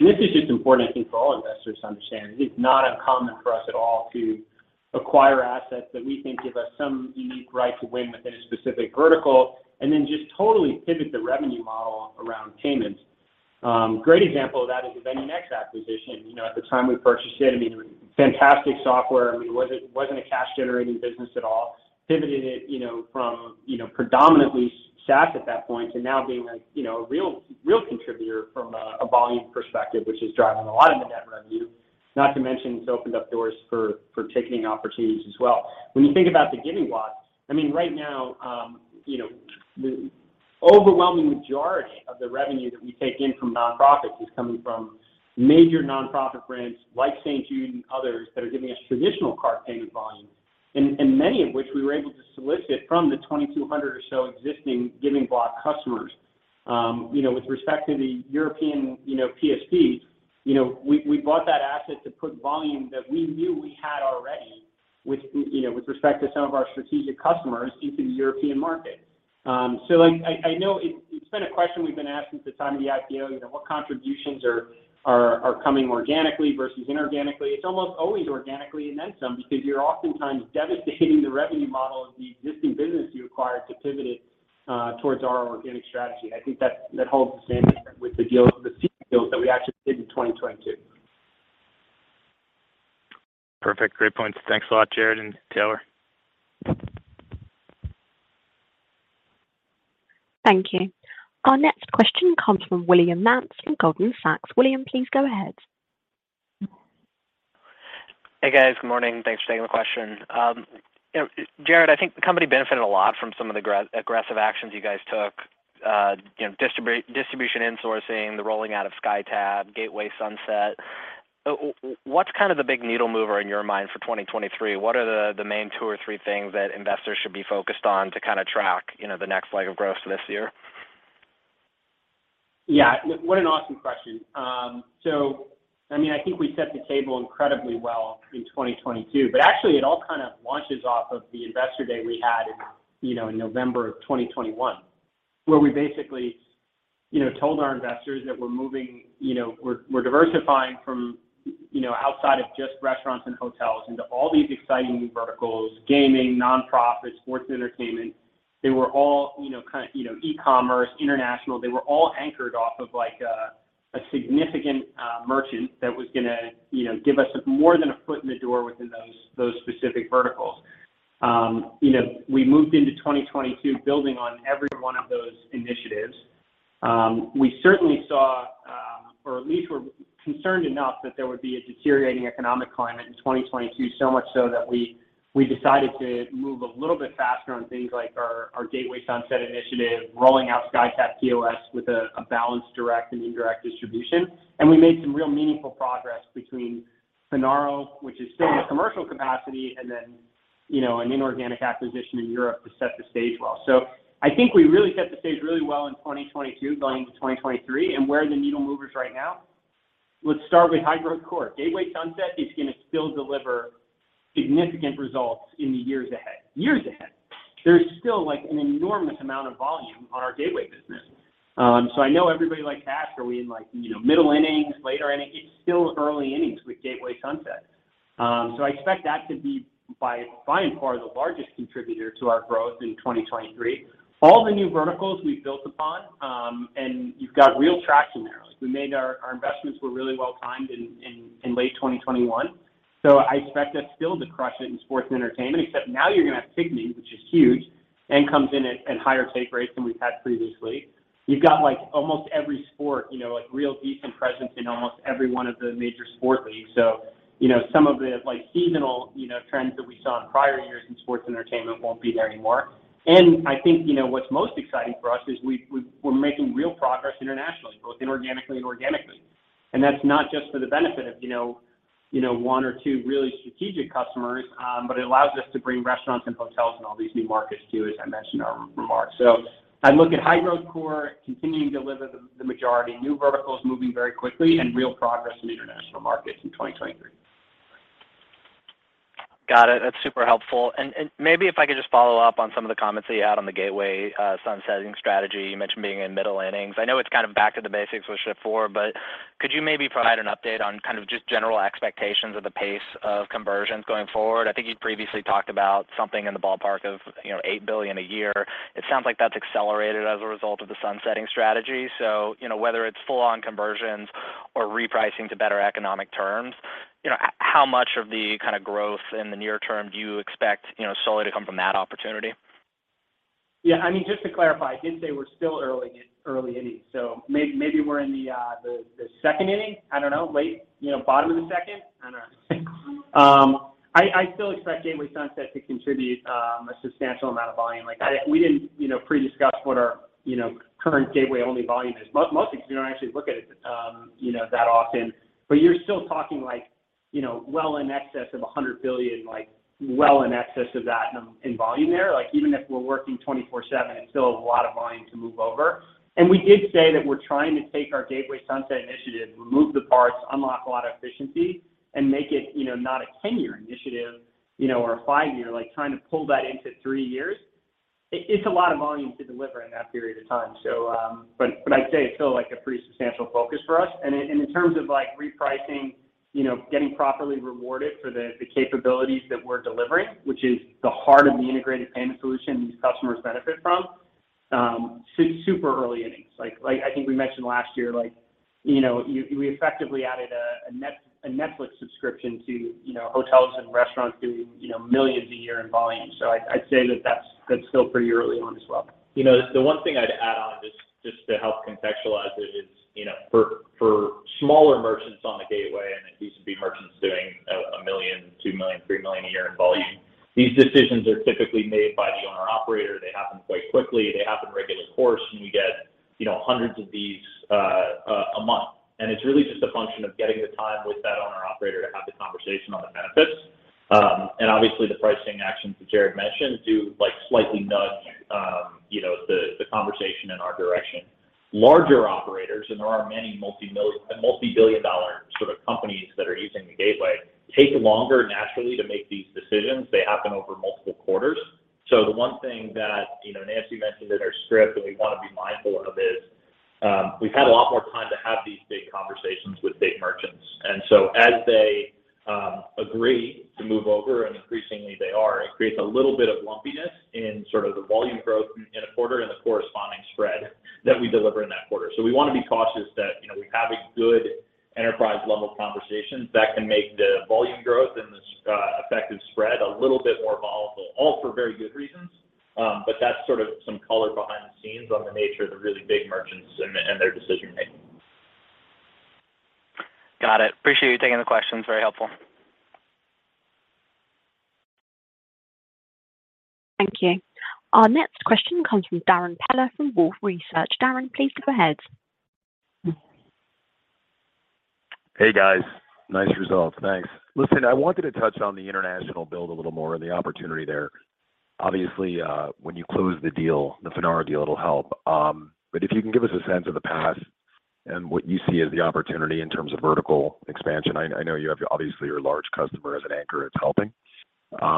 This is just important I think for all investors to understand. It is not uncommon for us at all to acquire assets that we think give us some unique right to win within a specific vertical, and then just totally pivot the revenue model around payments. Great example of that is the VenueNext acquisition. You know, at the time we purchased it, I mean, it was fantastic software. I mean, it wasn't a cash generating business at all. Pivoted it, you know, from, you know, predominantly SaaS at that point to now being a, you know, a real contributor from a volume perspective, which is driving a lot of the net revenue. Not to mention it's opened up doors for ticketing opportunities as well. When you think about The Giving Block, I mean, right now, you know, the overwhelming majority of the revenue that we take in from nonprofits is coming from major nonprofit brands like St. Jude and others that are giving us traditional card payment volume. Many of which we were able to solicit from the 2,200 or so existing Giving Block customers. You know, with respect to the European PSP, we bought that asset to put volume that we knew we had already with respect to some of our strategic customers into the European market. Like I know it's been a question we've been asked since the time of the IPO, you know, what contributions are coming organically versus inorganically. It's almost always organically and then some because you're oftentimes devastating the revenue model of the existing business you acquired to pivot it towards our organic strategy. I think that holds the same with the deals, the seed deals that we actually did in 2022. Perfect. Great points. Thanks a lot, Jared and Taylor. Thank you. Our next question comes from William Nance from Goldman Sachs. William, please go ahead. Hey, guys. Good morning. Thanks for taking the question. You know, Jared, I think the company benefited a lot from some of the aggressive actions you guys took, you know, distribution insourcing, the rolling out of SkyTab, Gateway Sunset. What's kind of the big needle mover in your mind for 2023? What are the main two or three things that investors should be focused on to kinda track, you know, the next leg of growth this year? What an awesome question. I mean, I think we set the table incredibly well in 2022, but actually it all kind of launches off of the investor day we had in, you know, in November of 2021, where we basically, you know, told our investors that we're diversifying from, you know, outside of just restaurants and hotels into all these exciting new verticals, gaming, nonprofits, sports and entertainment. They were all, you know, kind of, you know, e-commerce, international. They were all anchored off of like a significant merchant that was gonna, you know, give us more than a foot in the door within those specific verticals. You know, we moved into 2022 building on every one of those initiatives. We certainly saw, or at least were concerned enough that there would be a deteriorating economic climate in 2022, so much so that we decided to move a little bit faster on things like our Gateway Sunset initiative, rolling out SkyTab POS with a balanced direct and indirect distribution. We made some real meaningful progress between Finaro, which is still in a commercial capacity, and then, you know, an inorganic acquisition in Europe to set the stage well. I think we really set the stage really well in 2022 going into 2023. Where are the needle movers right now? Let's start with high growth core. Gateway Sunset is gonna still deliver significant results in the years ahead. Years ahead. There's still, like, an enormous amount of volume on our Gateway business. I know everybody likes to ask, are we in, like, you know, middle innings, later innings? It's still early innings with Gateway Sunset. I expect that to be by and far the largest contributor to our growth in 2023. All the new verticals we've built upon, and you've got real traction there. Like, our investments were really well timed in late 2021. I expect us still to crush it in sports and entertainment, except now you're gonna have VenueNext, which is huge, and comes in at higher take rates than we've had previously. You've got, like, almost every sport, you know, like real decent presence in almost every one of the major sport leagues. You know, some of the, like, seasonal, you know, trends that we saw in prior years in sports entertainment won't be there anymore. I think, you know, what's most exciting for us is we're making real progress internationally, both inorganically and organically. That's not just for the benefit of, you know, you know, one or two really strategic customers, but it allows us to bring restaurants and hotels in all these new markets too, as I mentioned in our remarks. I look at high-growth core continuing to deliver the majority, new verticals moving very quickly, and real progress in international markets in 2023. Got it. That's super helpful. Maybe if I could just follow up on some of the comments that you had on the gateway, uh, sunsetting strategy. You mentioned being in middle innings. I know it's kind of back to the basics with Shift4, but could you maybe provide an update on kind of just general expectations of the pace of conversions going forward? I think you previously talked about something in the ballpark of, you know, $8 billion a year. It sounds like that's accelerated as a result of the sunsetting strategy. You know, whether it's full-on conversions or repricing to better economic terms, you know, how much of the kind of growth in the near term do you expect, you know, solely to come from that opportunity? I mean, just to clarify, I did say we're still early innings. Maybe we're in the second inning. I don't know, late, you know, bottom of the second. I don't know. I still expect Gateway Sunset to contribute a substantial amount of volume. Like, we didn't, you know, pre-discuss what our, you know, current gateway-only volume is. Mostly because we don't actually look at it, you know, that often. You're still talking, like, you know, well in excess of $100 billion, like well in excess of that in volume there. Like, even if we're working 24/7, it's still a lot of volume to move over. We did say that we're trying to take our Gateway Sunset initiative, remove the parts, unlock a lot of efficiency, and make it, you know, not a 10-year initiative, you know, or a five-year, like trying to pull that into three years. It's a lot of volume to deliver in that period of time. But I'd say it's still, like, a pretty substantial focus for us. In terms of, like, repricing, you know, getting properly rewarded for the capabilities that we're delivering, which is the heart of the integrated payment solution these customers benefit from, super early innings. Like I think we mentioned last year, like, you know, we effectively added a Netflix subscription to, you know, hotels and restaurants doing, you know, millions a year in volume. I'd say that that's still pretty early on as well. You know, the one thing I'd add on just to help contextualize it is, you know, for smaller merchants on the gateway and B2B merchants doing $1 million, $2 million, $3 million a year in volume, these decisions are typically made by the owner-operator. They happen quite quickly. They happen regular course, and we get, you know, hundreds of these a month. It's really just a function of getting the time with that owner-operator to have the conversation on the benefits. Obviously the pricing actions that Jared mentioned do, like, slightly nudge, you know, the conversation in our direction. Larger operators, and there are many multi-billion dollar sort of companies that are using the gateway, take longer naturally to make these decisions. They happen over multiple quarters. The one thing that, you know, Nancy mentioned in her script that we wanna be mindful of is, we've had a lot more time to have these big conversations with big merchants. As they agree to move over, and increasingly they are, it creates a little bit of lumpiness in sort of the volume growth in a quarter and the corresponding spread that we deliver in that quarter. We wanna be cautious that, you know, we have a good enterprise level conversations that can make the volume growth and the effective spread a little bit more volatile, all for very good reasons. But that's sort of some color behind the scenes on the nature of the really big merchants and their decision-making. Got it. Appreciate you taking the questions. Very helpful. Thank you. Our next question comes from Darrin Peller from Wolfe Research. Darrin, please go ahead. Hey, guys. Nice results. Thanks. Listen, I want you to touch on the international build a little more and the opportunity there. Obviously, when you close the deal, the Finaro deal, it'll help. If you can give us a sense of the path and what you see as the opportunity in terms of vertical expansion. I know you have obviously your large customer as an anchor that's helping.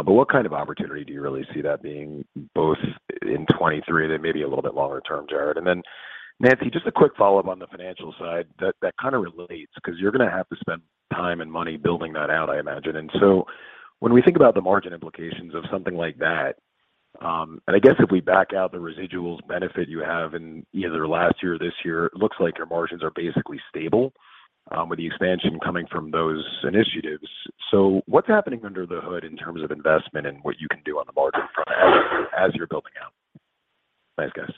What kind of opportunity do you really see that being both in 2023 then maybe a little bit longer term, Jared? Nancy, just a quick follow-up on the financial side that kinda relates, 'cause you're gonna have to spend time and money building that out, I imagine. When we think about the margin implications of something like that, and I guess if we back out the residuals benefit you have in either last year or this year, it looks like your margins are basically stable, with the expansion coming from those initiatives. What's happening under the hood in terms of investment and what you can do on the margin front as you're building out? Thanks, guys.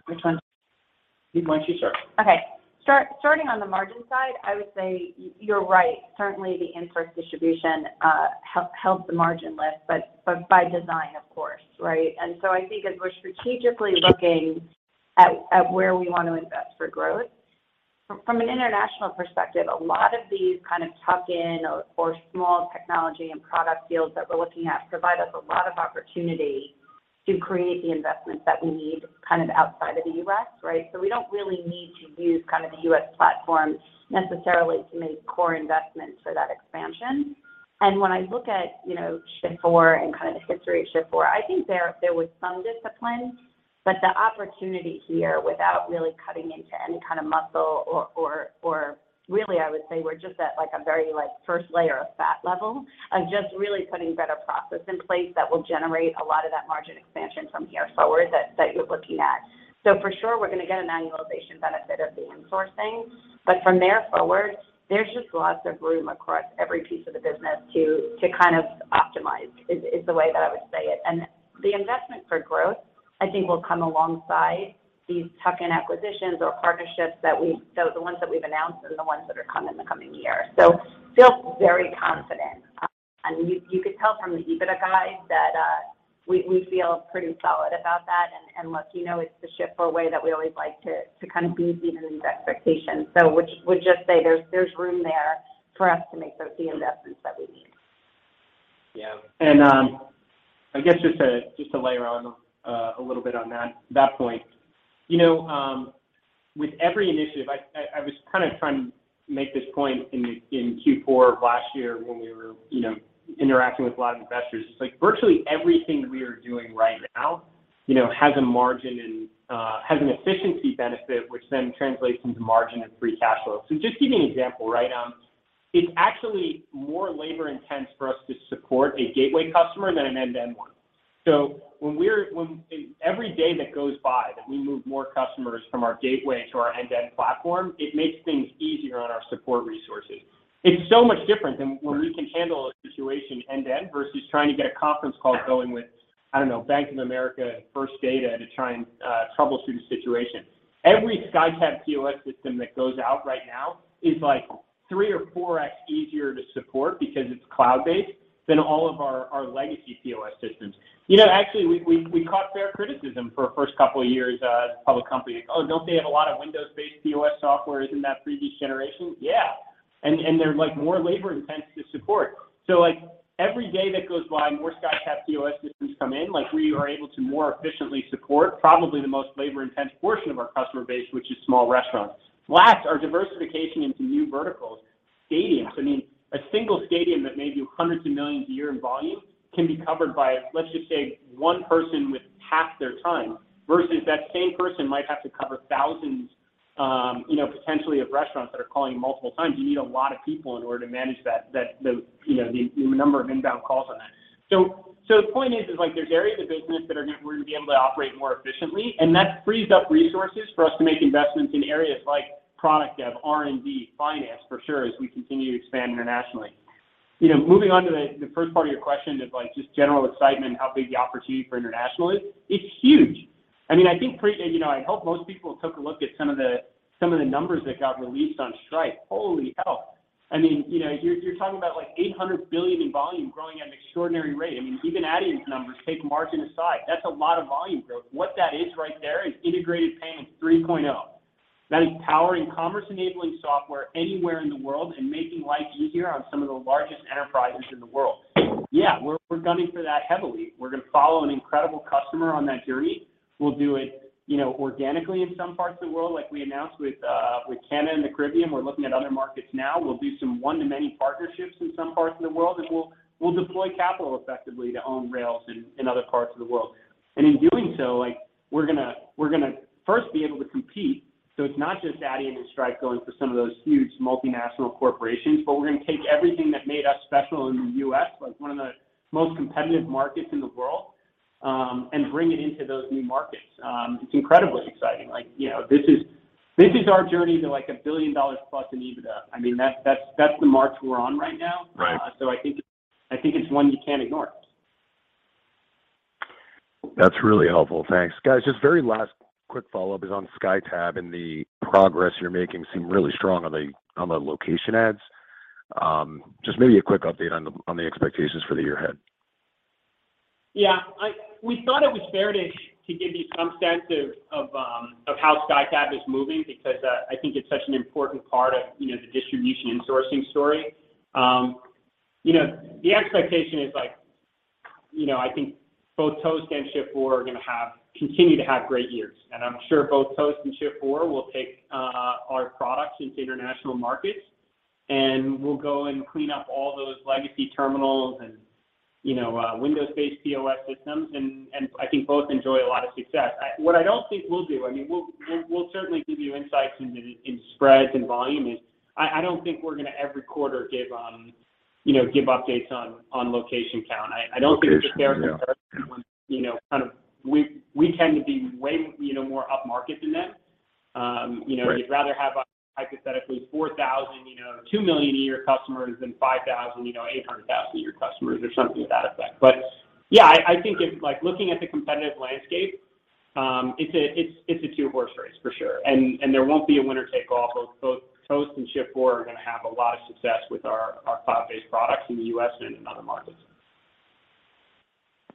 Which one? You want to start. Okay. Starting on the margin side, I would say you're right. Certainly, the in-source distribution helped the margin lift, but by design, of course, right? I think as we're strategically looking at where we want to invest for growth, from an international perspective, a lot of these kind of tuck-in or small technology and product deals that we're looking at provide us a lot of opportunity to create the investments that we need kind of outside of the U.S., right? We don't really need to use kind of the U.S. platform necessarily to make core investments for that expansion. When I look at, you know, Shift4 and kind of the history of Shift4, I think there was some discipline, but the opportunity here without really cutting into any kind of muscle or really I would say we're just at like a very, like, first layer of fat level of just really putting better process in place that will generate a lot of that margin expansion from here forward that you're looking at. For sure we're gonna get an annualization benefit of the in-sourcing, but from there forward, there's just lots of room across every piece of the business to kind of optimize is the way that I would say it. The investment for growth I think will come alongside these tuck-in acquisitions or partnerships that so the ones that we've announced and the ones that are come in the coming year. Feel very confident. I mean, you could tell from the EBITDA guide that we feel pretty solid about that. Look, you know, it's the Shift4 way that we always like to kind of beat even these expectations. Which would just say there's room there for us to make those the investments that we need. Yeah. I guess just to, just to layer on, a little bit on that point. You know, with every initiative, I was kind of trying to make this point in Q4 of last year when we were, you know, interacting with a lot of investors. It's like virtually everything we are doing right now, you know, has a margin and, has an efficiency benefit, which then translates into margin and free cash flow. Just give you an example, right? It's actually more labor intense for us to support a gateway customer than an end-to-end one. When every day that goes by that we move more customers from our gateway to our end-to-end platform, it makes things easier on our support resources. It's so much different than when we can handle a situation end to end versus trying to get a conference call going with, I don't know, Bank of America and First Data to try and troubleshoot a situation. Every SkyTab POS system that goes out right now is like three or 4x easier to support because it's cloud-based than all of our legacy POS systems. You know, actually, we caught fair criticism for our first couple of years as a public company. Like, "Oh, don't they have a lot of Windows-based POS software? Isn't that previous generation?" Yeah. And, and they're, like, more labor-intense to support. Like, every day that goes by, more SkyTab POS systems come in, like, we are able to more efficiently support probably the most labor-intense portion of our customer base, which is small restaurants. Last, our diversification into new verticals. Stadiums. I mean, a single stadium that may do hundreds of millions a year in volume can be covered by, let's just say, one person with half their time, versus that same person might have to cover thousands, you know, potentially of restaurants that are calling multiple times. You need a lot of people in order to manage that, the, you know, the number of inbound calls on that. The point is like there's areas of business that we're going to be able to operate more efficiently, and that frees up resources for us to make investments in areas like product dev, R&D, finance for sure, as we continue to expand internationally. You know, moving on to the first part of your question of, like, just general excitement, how big the opportunity for international is. It's huge. I mean, I think, you know, I hope most people took a look at some of the numbers that got released on Stripe. Holy hell. I mean, you're talking about like $800 billion in volume growing at an extraordinary rate. I mean, even Adyen's numbers, take margin aside, that's a lot of volume growth. What that is right there is integrated paying 3.0. That is powering commerce-enabling software anywhere in the world and making life easier on some of the largest enterprises in the world. Yeah, we're gunning for that heavily. We're gonna follow an incredible customer on that journey. We'll do it, you know, organically in some parts of the world, like we announced with Canada and the Caribbean. We're looking at other markets now. We'll do some one-to-many partnerships in some parts of the world, and we'll deploy capital effectively to own rails in other parts of the world. In doing so, like, we're gonna first be able to compete. It's not just Adyen and Stripe going for some of those huge multinational corporations, but we're gonna take everything that made us special in the US, like one of the most competitive markets in the world, and bring it into those new markets. It's incredibly exciting. Like, you know, this is our journey to like $1 billion plus in EBITDA. I mean, that's the march we're on right now. Right. I think it's one you can't ignore. That's really helpful. Thanks. Guys, just very last quick follow-up is on SkyTab, and the progress you're making seem really strong on the location ads. Just maybe a quick update on the expectations for the year ahead. Yeah, we thought it was fair to give you some sense of how SkyTab is moving because I think it's such an important part of, you know, the distribution and sourcing story. You know, the expectation is like, you know, I think both Toast and Shift4 are gonna continue to have great years. I'm sure both Toast and Shift4 will take our products into international markets, and we'll go and clean up all those legacy terminals and, you know, Windows-based POS systems, and I think both enjoy a lot of success. What I don't think we'll do, I mean, we'll certainly give you insights in spreads and volume is, I don't think we're gonna every quarter give, you know, updates on location count. I don't think it's fair. Locations. Yeah. You know, kind of we tend to be way, you know, more upmarket than them. You know. Right. You'd rather have hypothetically 4,000, you know, $2 million a year customers than 5,000, you know, $800,000 a year customers or something to that effect. Yeah, I think like looking at the competitive landscape, it's a two-horse race for sure. There won't be a winner take all. Both Toast and Shift4 are gonna have a lot of success with our cloud-based products in the U.S. and in other markets.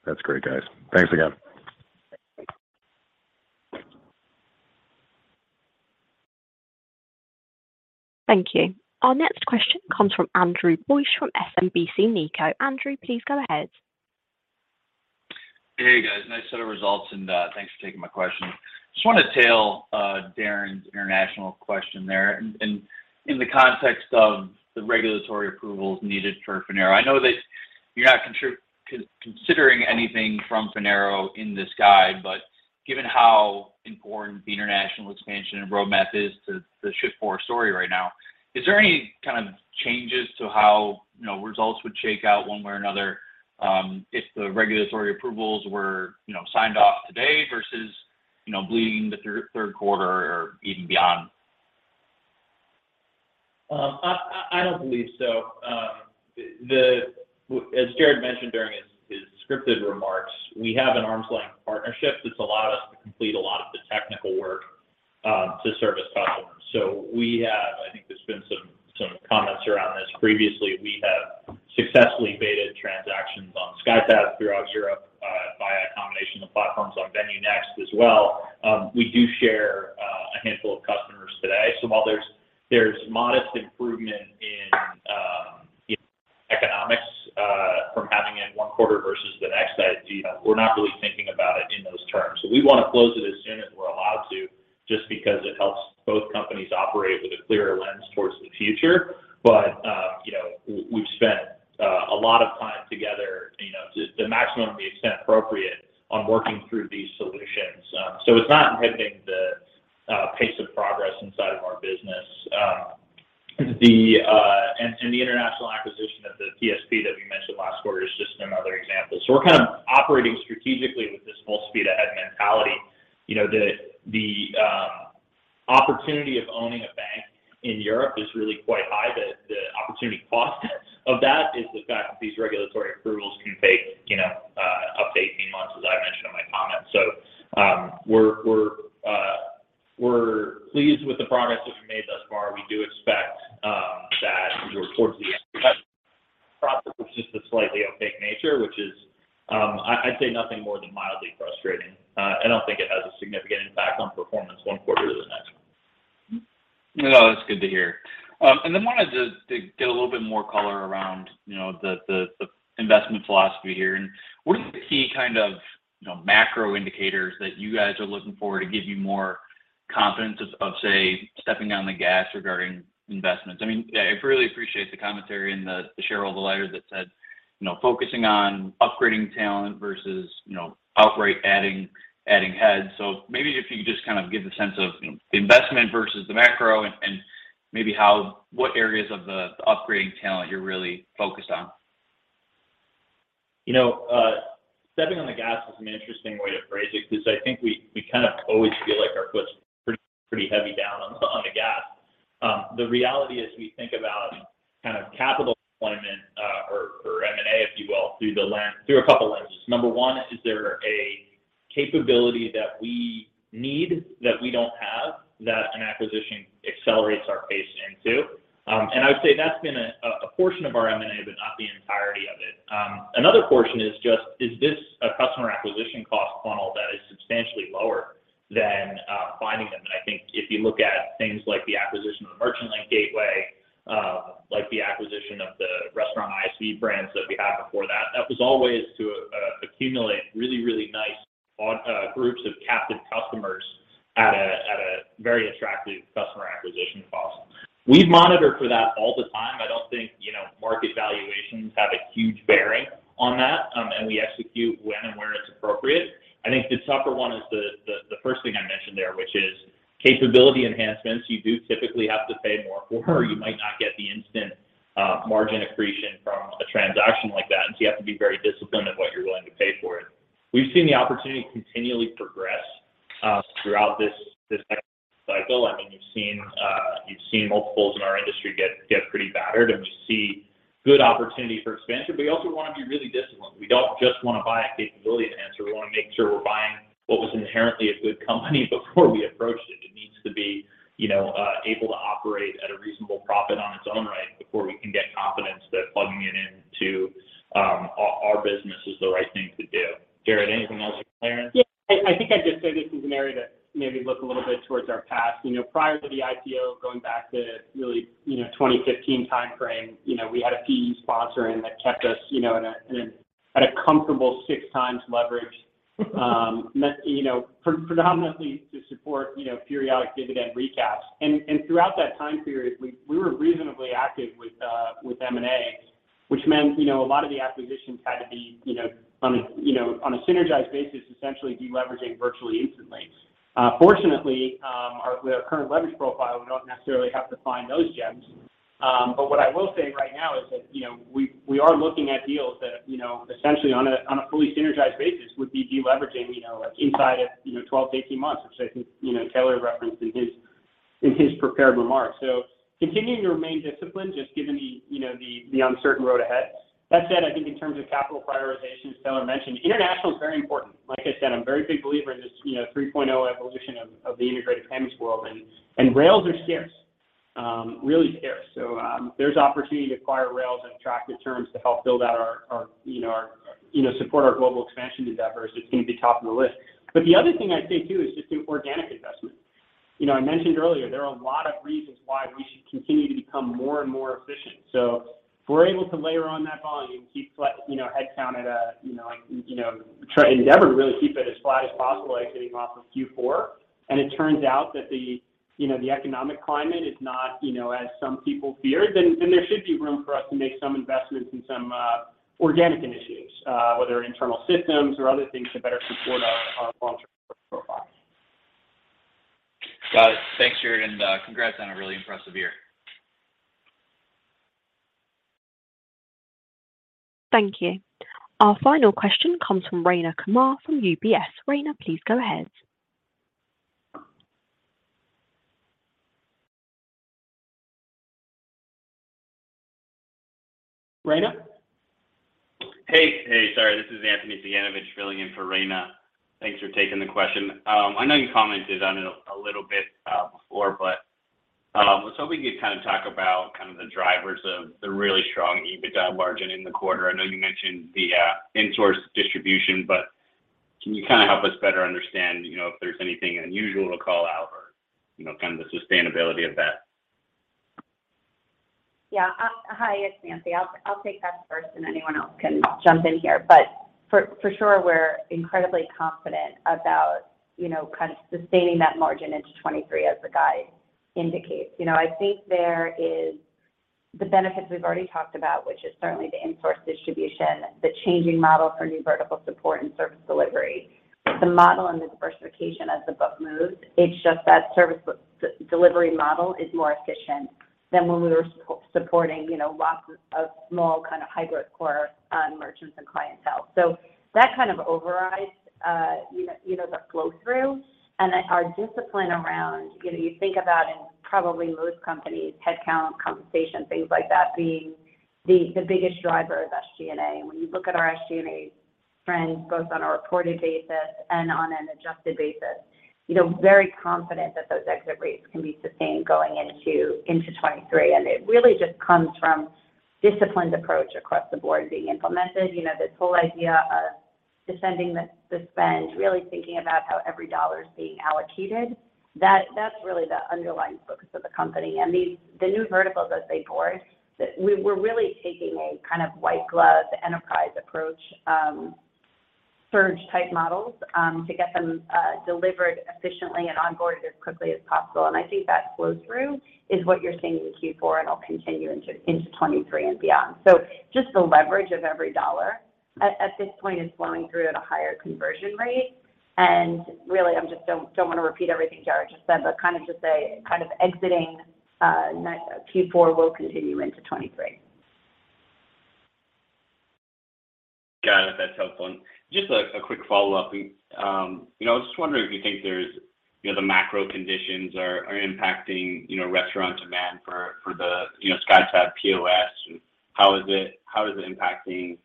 That's great, guys. Thanks again. Thank you. Our next question comes from Andrew Bauch from SMBC Nikko. Andrew, please go ahead. Hey, guys. Nice set of results. Thanks for taking my question. Just wanna tail Darrin's international question there and in the context of the regulatory approvals needed for Finaro. I know that you're not considering anything from Finaro in this guide, but given how important the international expansion and roadmap is to the Shift4 story right now, is there any kind of changes to how, you know, results would shake out one way or another, if the regulatory approvals were, you know, signed off today versus, you know, bleeding the Q3 or even beyond? I don't believe so. As Jared mentioned during his scripted remarks. We have an arm's length partnership that's allowed us to complete a lot of the technical work to service customers. I think there's been some comments around this previously. We have successfully beta transactions on SkyTab throughout Europe via a combination of platforms on VenueNext as well. We do share a handful of customers today. While there's modest improvement in economics from having it in one quarter versus the next, that, you know, we're not really thinking about it in those terms. We wanna close it as soon as we're allowed to, just because it helps both companies operate with a clearer lens towards the future. you know, we've spent a lot of time together, you know, to the maximum extent appropriate on working through these solutions. It's not inhibiting the pace of progress inside of our business. The international acquisition of the PSP that we mentioned last quarter is just another example. We're kind of kind of capital deployment, or M&A, if you will, through a couple lenses. Number one, is there a capability that we need that we don't have that an acquisition accelerates our pace into? I would say that's been a portion of our M&A, but not the entirety of it. Another portion is just, is this a customer acquisition cost funnel that is substantially lower than finding them? I think if you look at things like the acquisition of Merchant Link, like the acquisition of the restaurant POSitouch brands that we had before that was always to accumulate really, really nice on groups of captive customers at a very attractive customer acquisition cost. We monitor for that all the time. I don't think, you know, market valuations have a huge bearing on that. We execute when and where it's appropriate. I think the tougher one is the first thing I mentioned there, which is capability enhancements. You do typically have to pay more for, or you might not get the instant margin accretion from a transaction like that. You have to be very disciplined in what you're willing to pay for it. We've seen the opportunity continually progress throughout this cycle. I mean, you've seen, you've seen multiples in our industry get pretty battered. We see good opportunity for expansion, but we also wanna be really disciplined. We don't just wanna buy a capability enhancement. We wanna make sure we're buying what was inherently a good company before we approached it. It needs to be, you know, able to operate at a reasonable profit on its own right before we can get confidence that plugging it into our business is the right thing to do. Jared, anything else to clear in? Yeah. I think I'd just say this is an area to maybe look a little bit towards our past. You know, prior to the IPO, going back to really, you know, 2015 timeframe, you know, we had a PE sponsor in that kept us, you know, in a, in a, at a comfortable six times leverage. you know, predominantly to support, you know, periodic dividend recaps. Throughout that time period, we were reasonably active with M&A, which meant, you know, a lot of the acquisitions had to be, you know, on a, you know, on a synergized basis, essentially de-leveraging virtually instantly. Fortunately, our, with our current leverage profile, we don't necessarily have to find those gems. What I will say right now is that, you know, we are looking at deals that, you know, essentially on a, on a fully synergized basis, would be de-leveraging, you know, inside of, you know, 12-18 months, which I think, you know, Taylor referenced in his prepared remarks. Continuing to remain disciplined, just given the, you know, the uncertain road ahead. That said, I think in terms of capital prioritization, as Taylor mentioned, international is very important. Like I said, I'm a very big believer in this, you know, 3.0 evolution of the integrated payments world. Rails are scarce, really scarce. There's opportunity to acquire rails and attractive terms to help build out our, you know, support our global expansion endeavors. It's gonna be top of the list. The other thing I'd say too is just do organic investment. You know, I mentioned earlier there are a lot of reasons why we should continue to become more and more efficient. If we're able to layer on that volume, keep flat, you know, headcount at a, you know, like, you know, endeavor to really keep it as flat as possible, like getting off of Q4. It turns out that the, you know, the economic climate is not, you know, as some people feared, then there should be room for us to make some investments in some organic initiatives, whether internal systems or other things to better support our long-term profile. Got it. Thanks, Jared, and congrats on a really impressive year. Thank you. Our final question comes from Rayna Kumar from UBS. Rayna, please go ahead. Rayna? Hey. Hey, sorry. This is Anthony Cacchione filling in for Rayna. Thanks for taking the question. I know you commented on it a little bit before, was hoping you'd kind of talk about kind of the drivers of the really strong EBITDA margin in the quarter. I know you mentioned the insourced distribution, can you kinda help us better understand, you know, if there's anything unusual to call out or, you know, kind of the sustainability of that? Yeah. Hi, it's Nancy. I'll take that first, and anyone else can jump in here. For sure, we're incredibly confident about, you know, kind of sustaining that margin into 2023 as the guide indicates. You know, I think there is the benefits we've already talked about, which is certainly the insourced distribution, the changing model for new vertical support and service delivery, the model and the diversification as the book moves. It's just that service delivery model is more efficient than when we were supporting, you know, lots of small kind of hybrid core merchants and clientele. That kind of overrides, you know, the flow through. Our discipline around, you know, you think about in probably most companies, headcount, compensation, things like that being the biggest driver of SG&A. When you look at our SG&A trends both on a reported basis and on an adjusted basis, you know, very confident that those exit rates can be sustained going into 2023. It really just comes from disciplined approach across the board being implemented. You know, this whole idea of descending the spend, really thinking about how every dollar is being allocated, that's really the underlying focus of the company. The new verticals as they board, we're really taking a kind of white glove enterprise approach, surge type models, to get them delivered efficiently and onboarded as quickly as possible. I think that flow through is what you're seeing in Q4, and it'll continue into 2023 and beyond. Just the leverage of every dollar at this point is flowing through at a higher conversion rate. Really, I'm just don't wanna repeat everything Jared just said, but kind of just a kind of exiting Q4 will continue into 2023. Got it. That's helpful. Just a quick follow-up. You know, I was just wondering if you think there's, you know, the macro conditions are impacting, you know, restaurant demand for the, you know, SkyTab POS, and how is it impacting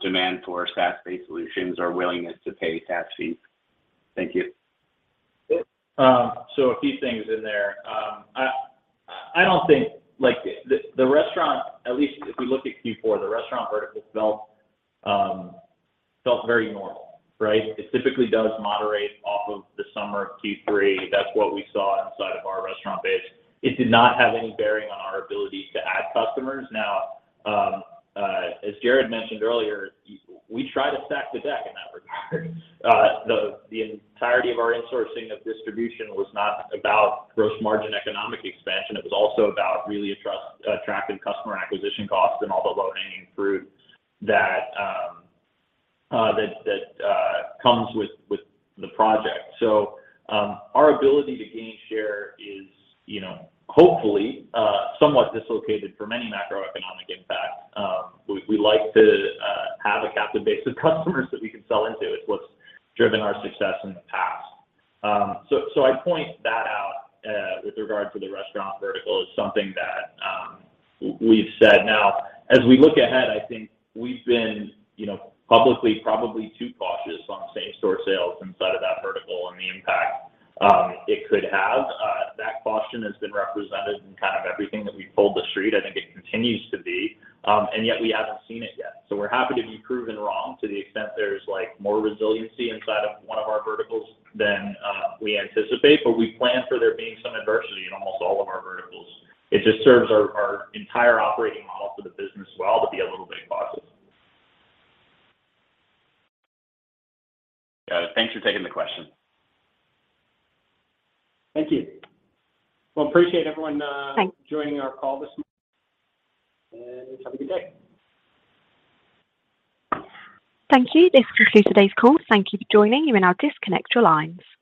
demand for SaaS-based solutions or willingness to pay SaaS fees? Thank you. Yeah. A few things in there. I don't think like the restaurant at least if we look at Q4, the restaurant vertical felt very normal, right? It typically does moderate off of the summer of Q3. That's what we saw inside of our restaurant base. It did not have any bearing on our ability to add customers. Now, as Jared mentioned earlier, we try to stack the deck in that regard. The entirety of our insourcing of distribution was not about gross margin economic expansion. It was also about really attracting customer acquisition costs and all the low-hanging fruit that comes with the project. Our ability to gain share is, you know, hopefully, somewhat dislocated from any macroeconomic impact. We like to have a captive base of customers that we can sell into. It's what's driven our success in the past. I point that out with regard to the restaurant vertical as something that we've said. Now, as we look ahead, I think we've been, you know, publicly probably too cautious on same-store sales inside of that vertical and the impact it could have. That caution has been represented in kind of everything that we've told the street. I think it continues to be, and yet we haven't seen it yet. We're happy to be proven wrong to the extent there's, like, more resiliency inside of one of our verticals than we anticipate. We plan for there being some adversity in almost all of our verticals. It just serves our entire operating model for the business well to be a little bit cautious. Got it. Thanks for taking the question. Thank you. Well, appreciate everyone. Thanks Joining our call this morning, and have a good day. Thank you. This concludes today's call. Thank you for joining. You may now disconnect your lines.